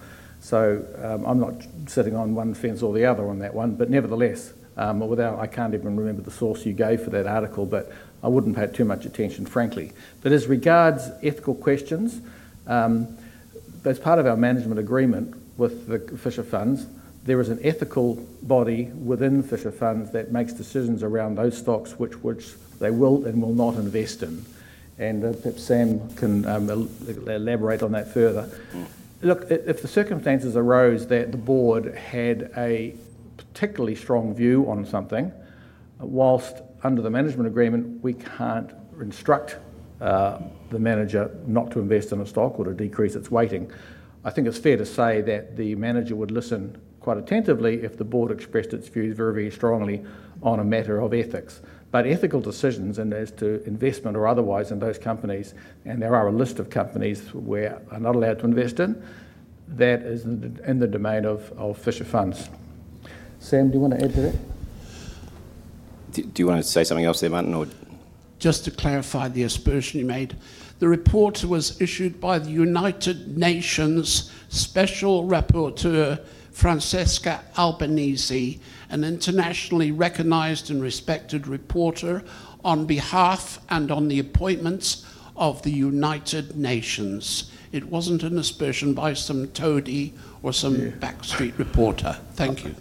I'm not sitting on one fence or the other on that one. Nevertheless, I can't even remember the source you gave for that article. I wouldn't pay too much attention, frankly. As regards ethical questions, as part of our management agreement with Fisher Funds, there is an ethical body within Fisher Funds that makes decisions around those stocks which they will and will not invest in. Perhaps Sam can elaborate on that further. Look, if the circumstances arose that The Board had a particularly strong view on something, whilst under the management agreement, we can't instruct. The Manager not to invest in a stock or to decrease its weighting, I think it's fair to say that The Manager would listen quite attentively if The Board expressed its views very, very strongly on a matter of ethics. But ethical decisions as to investment or otherwise in those companies—and there are a list of companies we are not allowed to invest in—that is in the domain of Fisher Funds. Sam, do you want to add to that? Do you want to say something else, there, Martin, or? Just to clarify the aspersion you made, the report was issued by the United Nations Special Rapporteur, Francesca Albanese, an internationally recognized and respected reporter on behalf and on the appointments of the United Nations. It wasn't an aspersion by some toady or some backstreet reporter. Thank you.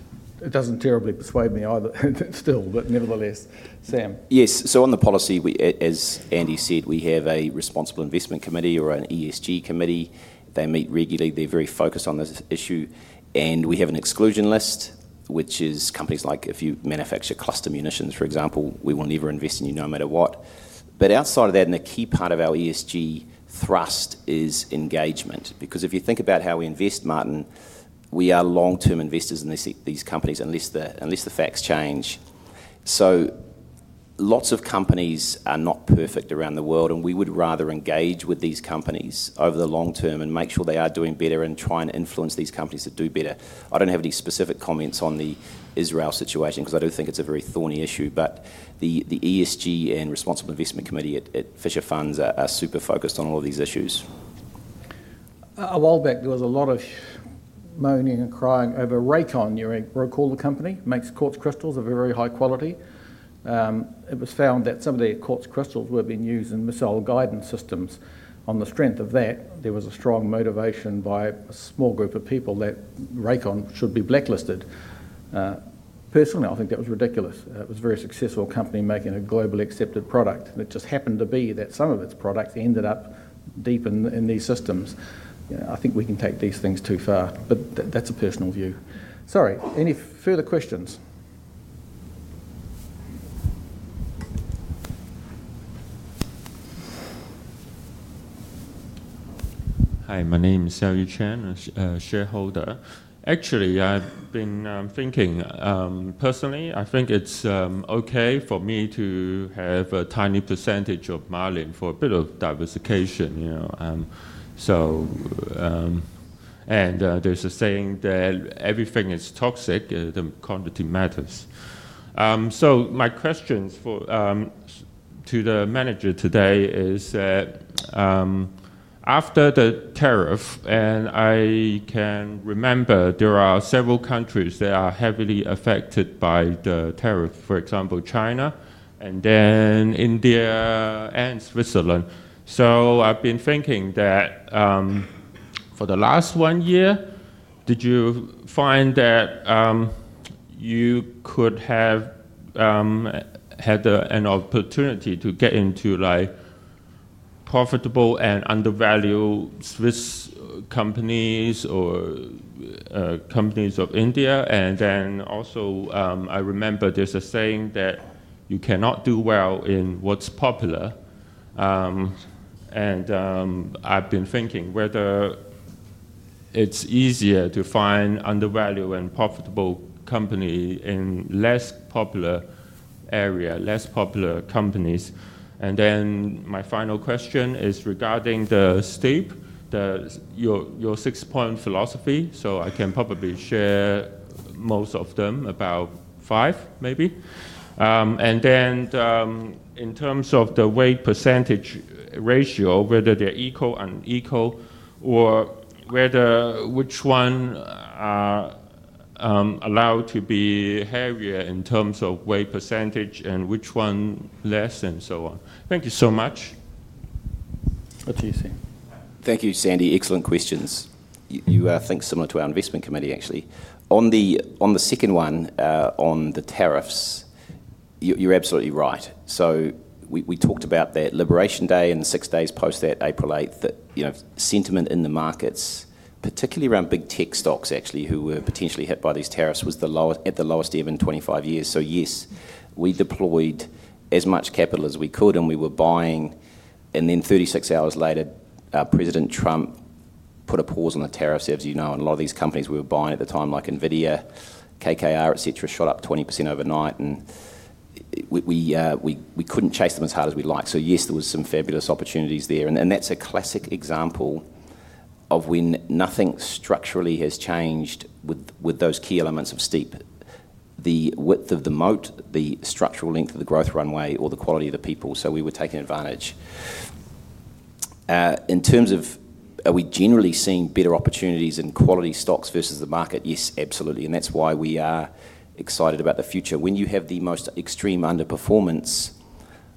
It doesn't terribly persuade me either still. But nevertheless, Sam. Yes. So on the policy, as Andy said, we have a Responsible Investment Committee or an ESG Committee. They meet regularly. They're very focused on this issue. And we have an exclusion list, which is companies like if you manufacture cluster munitions, for example, we will never invest in you no matter what. But outside of that, and a key part of our ESG thrust is engagement. Because if you think about how we invest, Martin, we are long-term investors in these companies unless the facts change. So. Lots of companies are not perfect around the world. And we would rather engage with these companies over the long term and make sure they are doing better and try and influence these companies to do better. I don't have any specific comments on the Israel situation because I do think it's a very thorny issue. The ESG and Responsible Investment Committee at Fisher Funds are super focused on all of these issues. A while back, there was a lot of. Moaning and crying over Raytheon. You recall the company makes quartz crystals of a very high quality. It was found that some of their quartz crystals were being used in missile guidance systems. On the strength of that, there was a strong motivation by a small group of people that Raytheon should be blacklisted. Personally, I think that was ridiculous. It was a very successful company making a globally accepted product. And it just happened to be that some of its products ended up deep in these systems. I think we can take these things too far. But that's a personal view. Sorry. Any further questions? Hi. My name is Yu Chen, a Shareholder. Actually, I've been thinking. Personally, I think it's okay for me to have a tiny percentage of Marlin for a bit of diversification. And. There's a saying that everything is toxic. The quantity matters. So my questions. To the manager today is. After the tariff, and I can remember, there are several countries that are heavily affected by the tariff, for example, China and then India and Switzerland. So I've been thinking that. For the last one year, did you find that. You could have. Had an opportunity to get into. Profitable and undervalued Swiss companies or. Companies of India? And then also, I remember there's a saying that you cannot do well in what's popular. And I've been thinking whether. It's easier to find undervalued and profitable companies in less popular. Area, less popular companies. And then my final question is regarding the STEEPP. Your six-point philosophy. So I can probably share most of them about five, maybe. And then. In terms of the weight percentage ratio, whether they're equal or unequal, or. Which one. Are allowed to be heavier in terms of weight percentage and which one less, and so on. Thank you so much. What do you see? Thank you, Sandy. Excellent questions. You think similar to our investment committee, actually. On the second one on the tariffs. You're absolutely right. So we talked about that Liberation Day and the six days post that, April 8th, that sentiment in the markets, particularly around big tech stocks, actually, who were potentially hit by these tariffs, was at the lowest ever in 25 years. So yes, we deployed as much capital as we could. And we were buying. And then 36 hours later, President Trump put a pause on the tariffs, as you know. And a lot of these companies we were buying at the time, like NVIDIA, KKR, etc., shot up 20% overnight. And. We couldn't chase them as hard as we'd like. So yes, there were some fabulous opportunities there. That is a classic example of when nothing structurally has changed with those key elements of STEEPP: the width of the moat, the structural length of the growth runway, or the quality of the people. We were taking advantage. In terms of are we generally seeing better opportunities in quality stocks versus the market? Yes, absolutely. That is why we are excited about the future. When you have the most extreme underperformance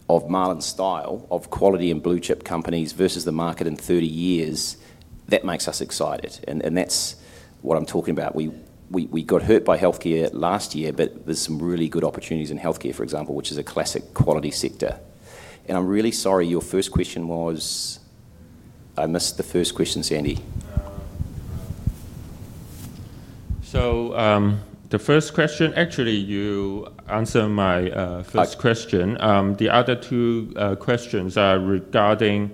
of Marlin style of quality and blue-chip companies versus the market in 30 years, that makes us excited. That is what I am talking about. We got hurt by Healthcare last year. There are some really good opportunities in Healthcare, for example, which is a classic quality sector. I am really sorry, your first question was. I missed the first question, Sandy. So. The first question, actually, you answered my first question. The other two questions are regarding.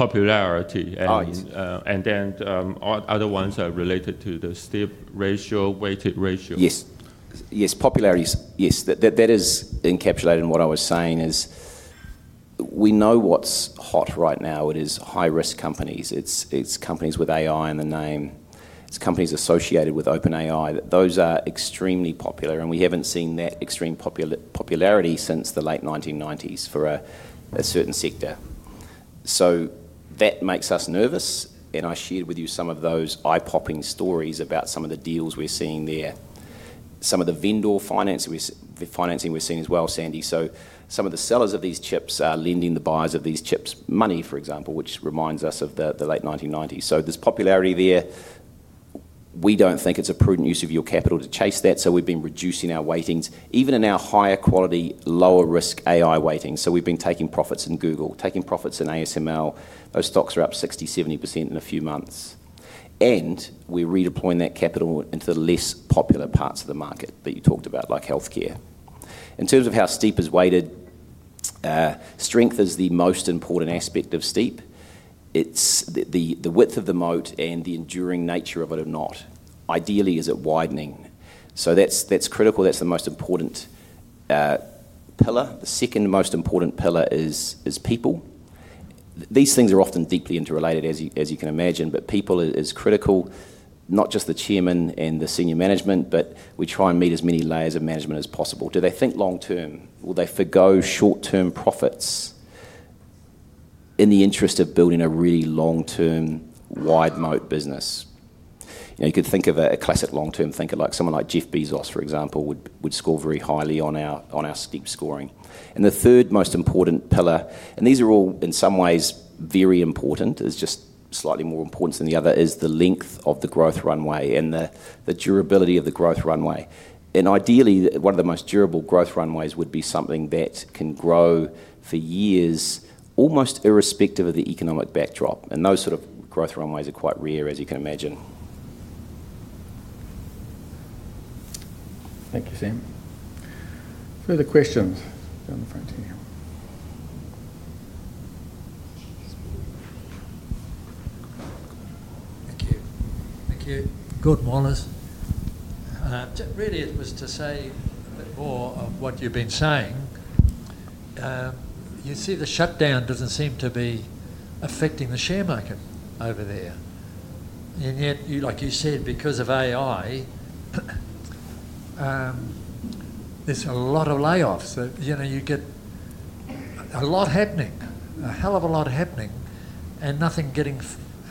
Popularity. And then other ones are related to the steep ratio, weighted ratio. Yes. Yes, popularity. Yes. That is encapsulated in what I was saying is. We know what's hot right now. It is high-risk companies. It's companies with AI in the name. It's companies associated with OpenAI. Those are extremely popular. We have not seen that extreme popularity since the late 1990s for a certain sector. That makes us nervous. I shared with you some of those eye-popping stories about some of the deals we are seeing there, some of the vendor financing we are seeing as well, Sandy. Some of the sellers of these chips are lending the buyers of these chips money, for example, which reminds us of the late 1990s. There is popularity there. We do not think it is a prudent use of your capital to chase that. We have been reducing our weightings, even in our higher quality, lower-risk AI weightings. So we've been taking profits in Google, taking profits in ASML. Those stocks are up 60%, 70% in a few months. And we're redeploying that capital into the less popular parts of the market that you talked about, like Healthcare. In terms of how STEEPP is weighted. Strength is the most important aspect of STEEPP. It's the width of the moat and the enduring nature of it or not. Ideally, is it widening? So that's critical. That's the most important. Pillar. The second most important pillar is people. These things are often deeply interrelated, as you can imagine. But people is critical, not just the chairman and the senior management. But we try and meet as many layers of management as possible. Do they think long-term? Will they forego short-term profits. In the interest of building a really long-term, wide-moat business? You could think of a classic long-term thinker. Someone like Jeff Bezos, for example, would score very highly on our STEEPP scoring. And the third most important pillar, and these are all in some ways very important, is just slightly more important than the other, is the length of the growth runway and the durability of the growth runway. And ideally, one of the most durable growth runways would be something that can grow for years, almost irrespective of the economic backdrop. And those sort of growth runways are quite rare, as you can imagine. Thank you, Sam. Further questions down the front here. Thank you. Good morning. Really, it was to say a bit more of what you've been saying. You see, the shutdown doesn't seem to be affecting the share market over there. And yet, like you said, because of AI. There's a lot of layoffs. You get. A lot happening, a hell of a lot happening, and nothing getting,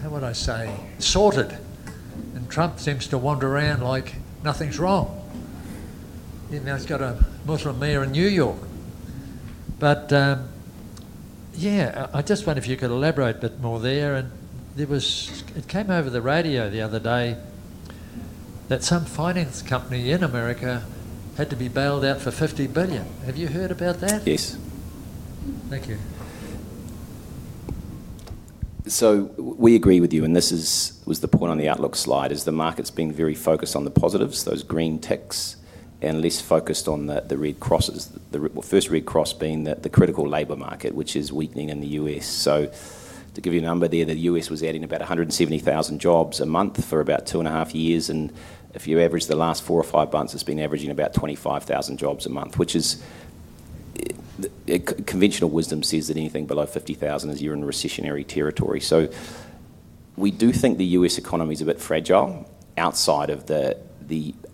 how would I say, sorted. And Trump seems to wander around like nothing's wrong. He's got a motor mayor in New York. But. Yeah, I just wonder if you could elaborate a bit more there. And it came over the radio the other day. That some finance company in America had to be bailed out for 50 billion. Have you heard about that? Yes. Thank you. We agree with you. And this was the point on the outlook slide, is the market's being very focused on the positives, those green techs, and less focused on the red crosses, the first red cross being the critical labor market, which is weakening in the U.S. To give you a number there, the U.S. was adding about 170,000 jobs a month for about two and a half years. And if you average the last four or five months, it's been averaging about 25,000 jobs a month, which is. Conventional wisdom says that anything below 50,000 is you're in recessionary territory. We do think the U.S. economy is a bit fragile outside of the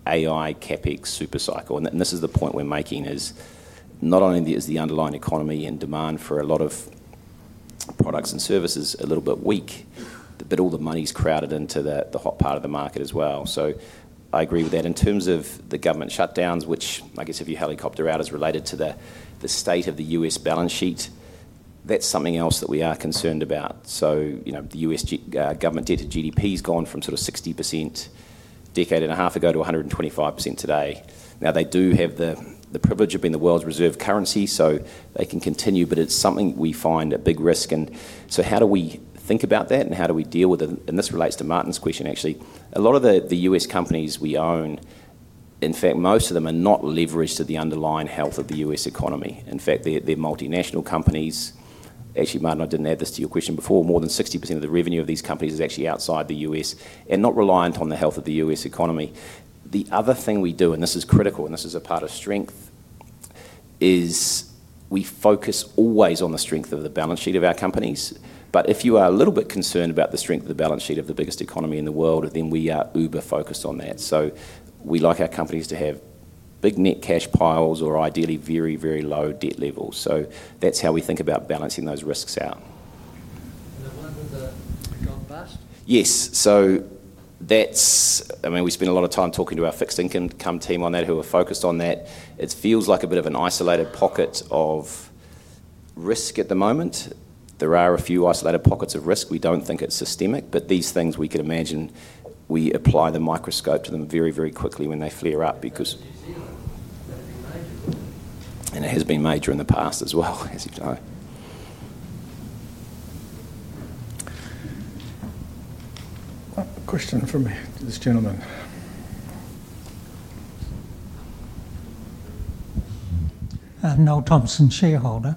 AI CapEx supercycle. And this is the point we're making, is not only is the underlying economy and demand for a lot of. Products and services a little bit weak, but all the money's crowded into the hot part of the market as well. So I agree with that. In terms of the government shutdowns, which I guess if you helicopter out, is related to the state of the U.S. balance sheet, that's something else that we are concerned about. So the U.S. government debt to GDP has gone from sort of 60%. A decade and a half ago to 125% today. Now, they do have the privilege of being the world's reserve currency. So they can continue. But it's something we find a big risk. And so how do we think about that? And how do we deal with it? And this relates to Martin's question, actually. A lot of the U.S. companies we own, in fact, most of them are not leveraged to the underlying health of the U.S. economy. In fact, they're multinational companies. Actually, Martin, I didn't add this to your question before. More than 60% of the revenue of these companies is actually outside the U.S. and not reliant on the health of the U.S. economy. The other thing we do, and this is critical, and this is a part of strength. Is we focus always on the strength of the balance sheet of our companies. But if you are a little bit concerned about the strength of the balance sheet of the biggest economy in the world, then we are uber-focused on that. So we like our companies to have big net cash piles or ideally very, very low debt levels. So that's how we think about balancing those risks out. The one with the gold bust? Yes. I mean, we spend a lot of time talking to our fixed income team on that, who are focused on that. It feels like a bit of an isolated pocket of risk at the moment. There are a few isolated pockets of risk. We don't think it's systemic. But these things, we could imagine we apply the microscope to them very, very quickly when they flare up because it has been major in the past as well, as you know. Question from this gentleman. I'm Noel Thompson, Shareholder.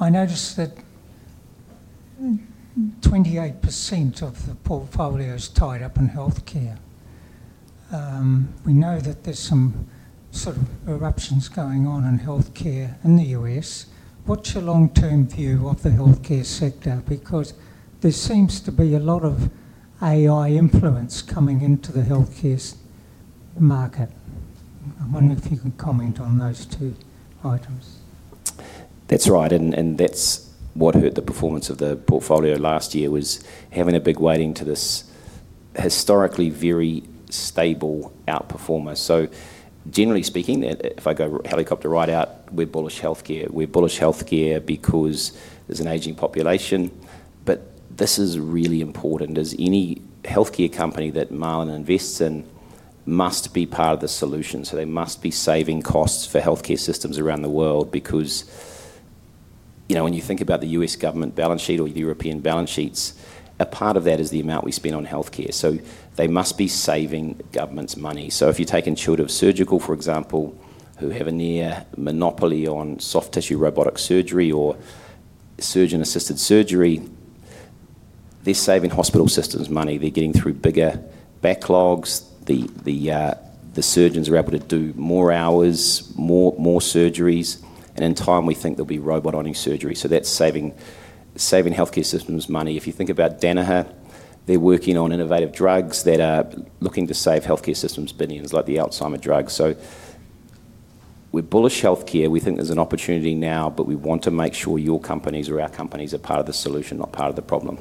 I noticed that 28% of the portfolio's tied up in Healthcare. We know that there's some sort of eruptions going on in Healthcare in the U.S. What's your long-term view of the Healthcare sector? Because there seems to be a lot of AI influence coming into the Healthcare market. I wonder if you can comment on those two items. That's right. That's what hurt the performance of the portfolio last year, was having a big weighting to this. Historically very stable outperformer. Generally speaking, if I go helicopter right out, we're bullish Healthcare. We're bullish Healthcare because there's an aging population. This is really important. Any Healthcare company that Marlin invests in must be part of the solution. They must be saving costs for Healthcare systems around the world because when you think about the U.S. government balance sheet or the European balance sheets, a part of that is the amount we spend on Healthcare. They must be saving governments money. If you take Intuitive Surgical, for example, who have a near monopoly on soft tissue robotic surgery or surgeon-assisted surgery, they're saving hospital systems money. They're getting through bigger backlogs. The surgeons are able to do more hours, more surgeries. In time, we think there'll be robot-only surgery. So that's saving Healthcare systems money. If you think about Danaher, they're working on innovative drugs that are looking to save Healthcare systems billions, like the Alzheimer drug. We're bullish Healthcare. We think there's an opportunity now. But we want to make sure your companies or our companies are part of the solution, not part of the problem.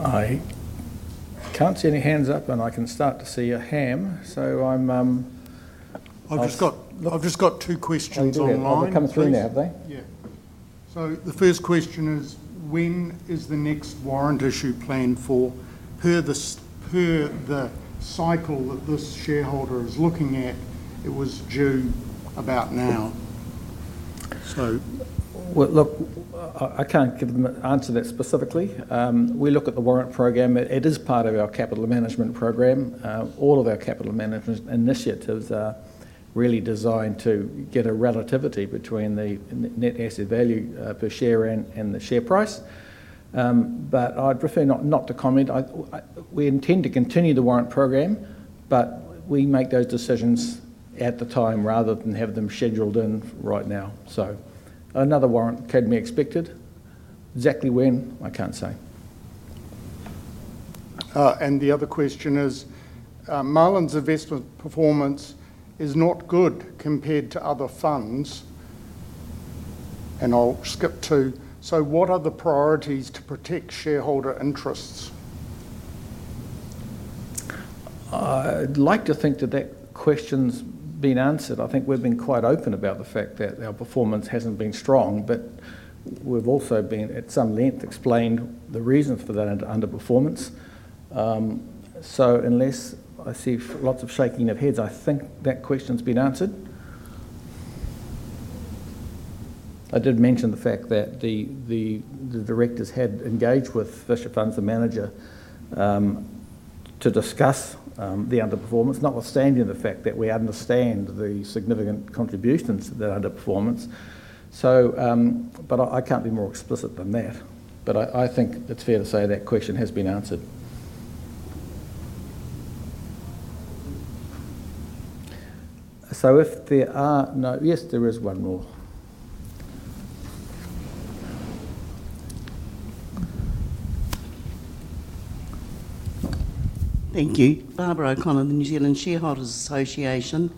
I can't see any hands up. I can start to see a hand. So I'm. I've just got two questions online. They're coming through now, haven't they? Yeah. The first question is, when is the next warrant issue planned for? Per the cycle that this shareholder is looking at, it was due about now. Look, I can't answer that specifically. We look at the warrant program. It is part of our Capital Management program. All of our Capital Management initiatives are really designed to get a relativity between the net asset value per share and the share price. But I'd prefer not to comment. We intend to continue the Warrant program. But we make those decisions at the time rather than have them scheduled in right now. So another warrant could be expected. Exactly when, I can't say. And the other question is. Marlin's investment performance is not good compared to other funds. And I'll skip two. So what are the priorities to protect shareholder interests? I'd like to think that that question's been answered. I think we've been quite open about the fact that our performance hasn't been strong. But we've also been, at some length, explained the reason for that underperformance. So unless I see lots of shaking of heads, I think that question's been answered. I did mention the fact that. The Directors had engaged with Fisher Funds and Manager. To discuss the underperformance, notwithstanding the fact that we understand the significant contributions to that underperformance. But I can't be more explicit than that. But I think it's fair to say that question has been answered. So if there are no, yes, there is one more. Thank you. Barbara O'Connor, the New Zealand Shareholders Association.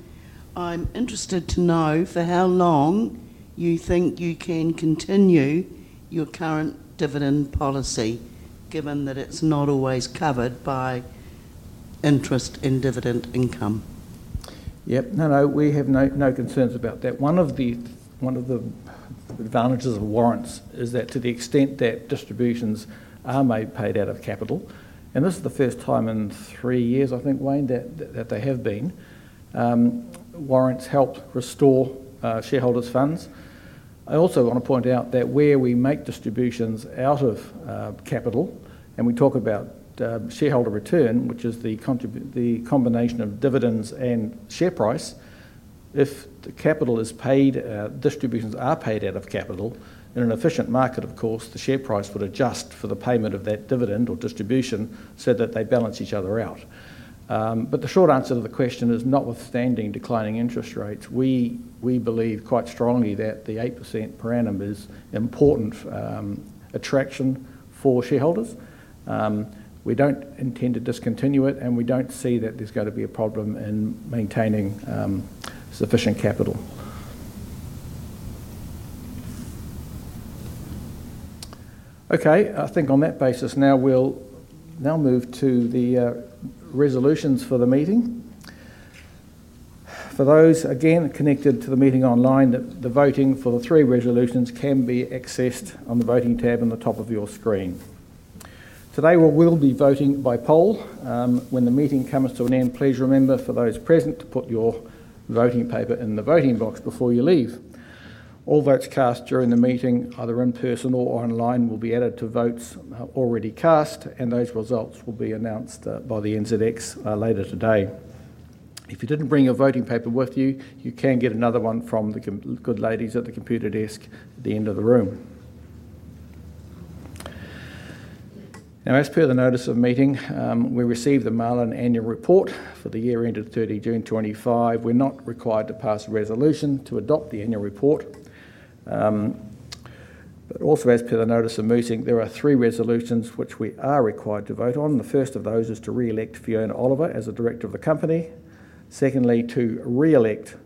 I'm interested to know for how long you think you can continue your current dividend policy, given that it's not always covered by interest and dividend income. Yep. No, no. We have no concerns about that. One of the. Advantages of warrants is that to the extent that distributions are made paid out of capital, and this is the first time in three years, I think, Wayne, that they have been. Warrants help restore shareholders' funds. I also want to point out that where we make distributions out of capital, and we talk about. Shareholder return, which is the. Combination of dividends and share price, if the capital is paid, distributions are paid out of capital, in an efficient market, of course, the share price would adjust for the payment of that dividend or distribution so that they balance each other out. But the short answer to the question is, notwithstanding declining interest rates, we believe quite strongly that the 8% per annum is an important. Attraction for Shareholders. We don't intend to discontinue it. And we don't see that there's going to be a problem in maintaining. Sufficient capital. Okay. I think on that basis, now we'll now move to the. Resolutions for the meeting. For those, again, connected to the meeting online, the voting for the three resolutions can be accessed on the voting tab in the top of your screen. Today, we will be voting by poll. When the meeting comes to an end, please remember, for those present, to put your voting paper in the voting box before you leave. All votes cast during the meeting, either in person or online, will be added to votes already cast. And those results will be announced by the NZX later today. If you didn't bring your voting paper with you, you can get another one from the good ladies at the computer desk at the end of the room. Now, as per the notice of meeting, we received the Marlin annual report for the year ended 30 June 25. We're not required to pass a resolution to adopt the annual report. But also, as per the notice of meeting, there are three resolutions which we are required to vote on. The first of those is to re-elect Fiona Oliver as the Director of the company. Secondly, to re-elect.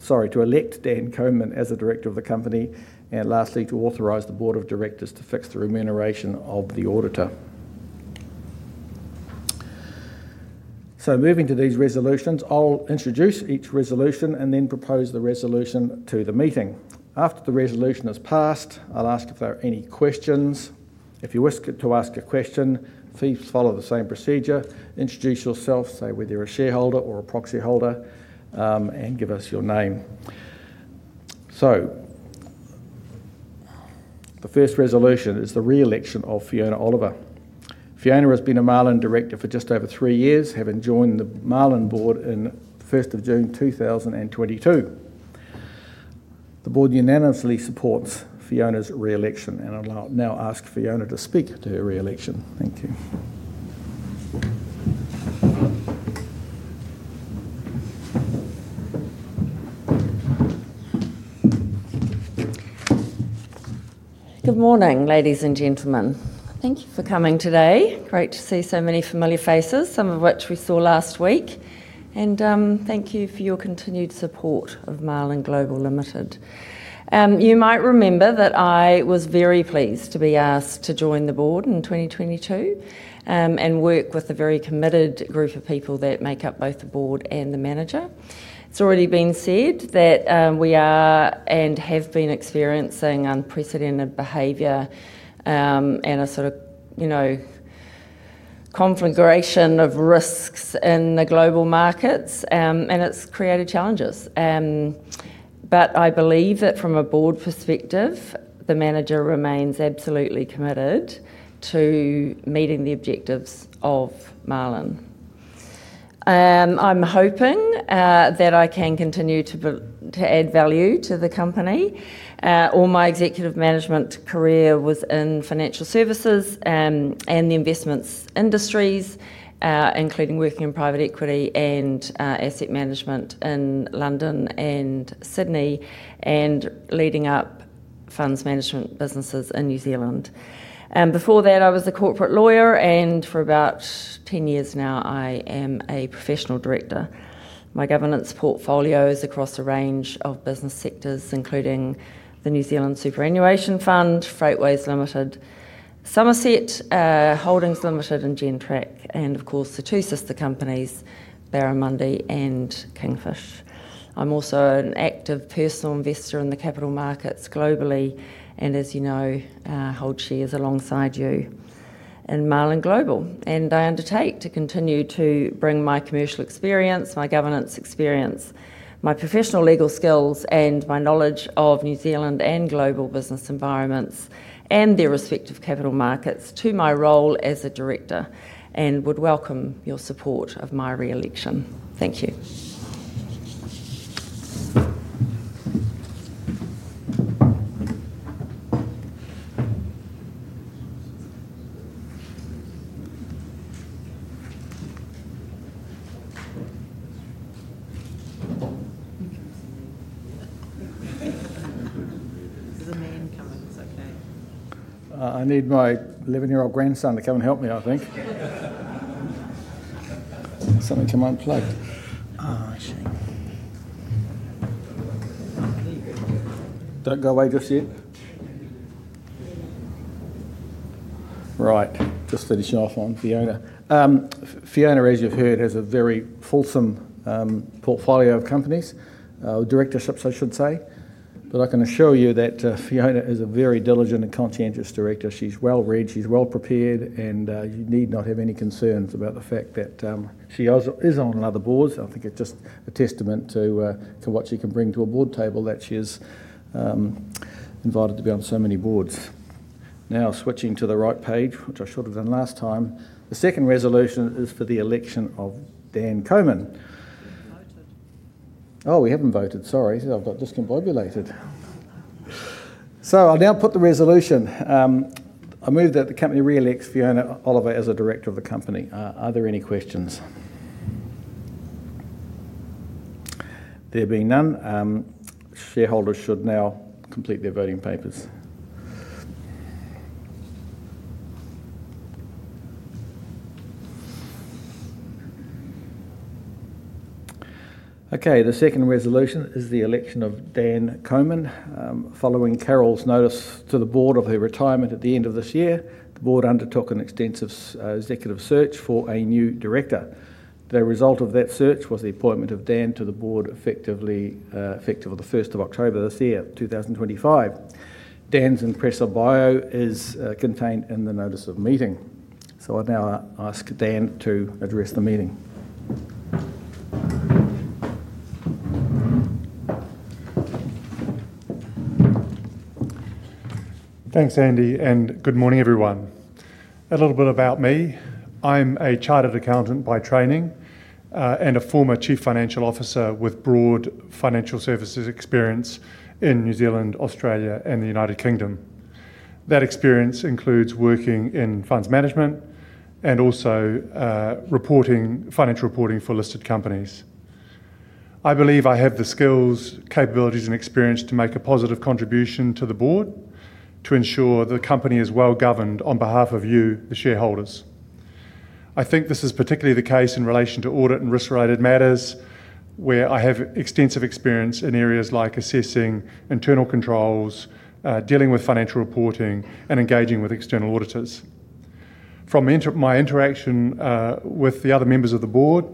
Sorry, to elect Dan Coman as the Director of the company. And lastly, to authorize the board of directors to fix the remuneration of the Auditor. So moving to these resolutions, I'll introduce each resolution and then propose the resolution to the meeting. After the resolution is passed, I'll ask if there are any questions. If you wish to ask a question, please follow the same procedure. Introduce yourself, say whether you're a shareholder or a proxy holder, and give us your name. So. The first resolution is the re-election of Fiona Oliver. Fiona has been a Marlin Director for just over three years, having joined the Marlin Board on 1st of June 2022. The Board unanimously supports Fiona's re-election. And I'll now ask Fiona to speak to her re-election. Thank you. Good morning, ladies and gentlemen. Thank you for coming today. Great to see so many familiar faces, some of which we saw last week. And thank you for your continued support of Marlin Global Limited. You might remember that I was very pleased to be asked to join The Board in 2022. And work with a very committed group of people that make up both The Board and The Manager. It's already been said that we are and have been experiencing unprecedented behavior. And a sort of. Conflagration of risks in the global markets. And it's created challenges. But I believe that from a Board perspective, The Manager remains absolutely committed to meeting the objectives of Marlin. I'm hoping that I can continue to add value to the company. All my executive management career was in financial services and the investments industries. Including working in private equity and asset management in London and Sydney and leading up funds management businesses in New Zealand. Before that, I was a Corporate Lawyer. And for about 10 years now, I am a Professional Director. My governance portfolio is across a range of business sectors, including the New Zealand Superannuation Fund, Freightways Limited. Somerset Holdings Limited, and Gentrack. And of course, the two sister companies, Barramundi and Kingfish. I'm also an active personal investor in the capital markets globally and, as you know, hold shares alongside you in Marlin Global. And I undertake to continue to bring my commercial experience, my governance experience, my professional legal skills, and my knowledge of New Zealand and global business environments and their respective capital markets to my role as a director and would welcome your support of my re-election. Thank you. There's a man coming. It's okay. I need my 11-year-old grandson to come and help me, I think. Something came unplugged. Oh, shame. Don't go away just yet. Right. Just finishing off on Fiona. Fiona, as you've heard, has a very fulsome. Portfolio of companies, or directorships, I should say. But I can assure you that Fiona is a very diligent and conscientious Director. She's well-read, she's well-prepared. And you need not have any concerns about the fact that she is on a lot of Boards. I think it's just a testament to what she can bring to a Board table that she is. Invited to be on so many Boards. Now, switching to the right page, which I should have done last time, the second resolution is for the election of Dan Coman. Oh, we haven't voted. Sorry. I've got discombobulated. So I'll now put the resolution. I move that the company re-elects Fiona Oliver as a Director of the company. Are there any questions? There being none. Shareholders should now complete their voting papers. Okay. The second resolution is the election of Dan Coman. Following Carol's notice to The Board of her retirement at the end of this year, The Board undertook an extensive executive search for a new Director. The result of that search was the appointment of Dan to The Board effectively. 1st of October this year, 2025. Dan's impressive bio is contained in the notice of meeting. So I now ask Dan to address the meeting. Thanks, Andy. And good morning, everyone. A little bit about me. I'm a chartered accountant by training and a former Chief Financial Officer with broad financial services experience in New Zealand, Australia, and the United Kingdom. That experience includes working in funds management and also. Financial reporting for listed companies. I believe I have the skills, capabilities, and experience to make a positive contribution to The Board to ensure the company is well-governed on behalf of you, the Shareholders. I think this is particularly the case in relation to audit and risk-related matters where I have extensive experience in areas like assessing internal controls, dealing with financial reporting, and engaging with external auditors. From my interaction with the other members of The Board,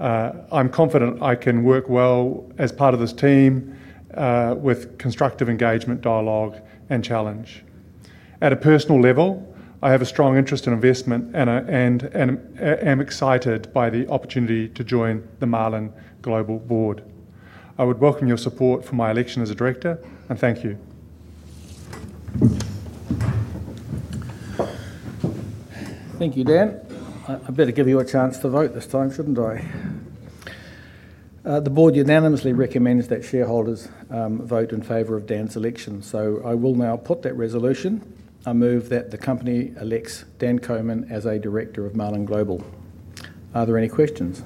I'm confident I can work well as part of this team. With constructive engagement, dialogue, and challenge. At a personal level, I have a strong interest in investment and. Am excited by the opportunity to join the Marlin Global Board. I would welcome your support for my election as a Director. And thank you. Thank you, Dan. I better give you a chance to vote this time, shouldn't I? The Board unanimously recommends that Shareholders vote in favor of Dan's election. So I will now put that resolution. I move that the company elects Dan Coman as a Director of Marlin Global. Are there any questions?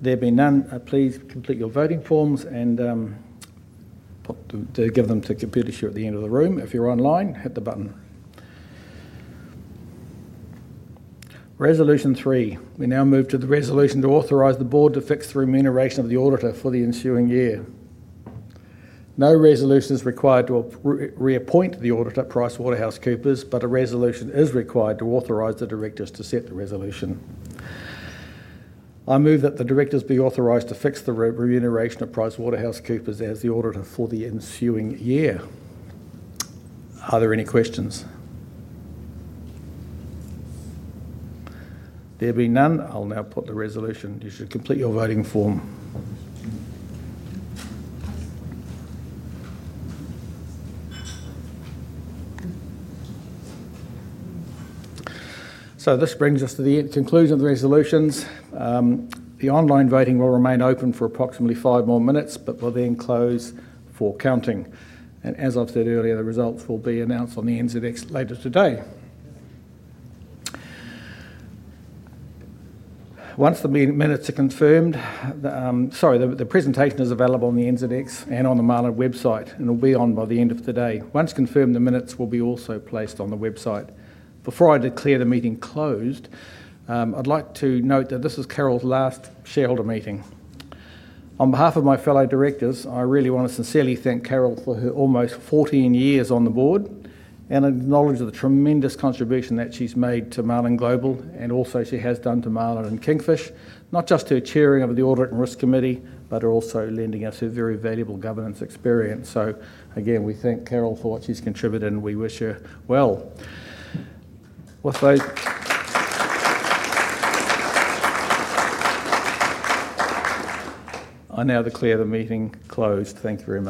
There being none, please complete your voting forms and. Give them to computershare at the end of the room. If you're online, hit the button. Resolution three. We now move to the resolution to authorize The Board to fix the remuneration of the auditor for the ensuing year. No resolution is required to reappoint the auditor, PricewaterhouseCoopers, but a resolution is required to authorize the Directors to set the resolution. I move that the Directors be authorized to fix the remuneration of PricewaterhouseCoopers as the auditor for the ensuing year. Are there any questions? There being none, I'll now put the resolution. You should complete your voting form. So this brings us to the conclusion of the resolutions. The online voting will remain open for approximately five more minutes, but will then close for counting. And as I've said earlier, the results will be announced on the NZX later today. Once the minutes are confirmed. Sorry, the presentation is available on the NZX and on the Marlin website, and it'll be on by the end of today. Once confirmed, the minutes will be also placed on the website. Before I declare the meeting closed, I'd like to note that this is Carol's last shareholder meeting. On behalf of my fellow Directors, I really want to sincerely thank Carol for her almost 14 years on The Board and acknowledge the tremendous contribution that she's made to Marlin Global and also she has done to Marlin and Kingfish, not just her chairing of the Audit and Risk committee, but also lending us her very valuable governance experience. So again, we thank Carol for what she's contributed, and we wish her well. I now declare the meeting closed. Thank you very much.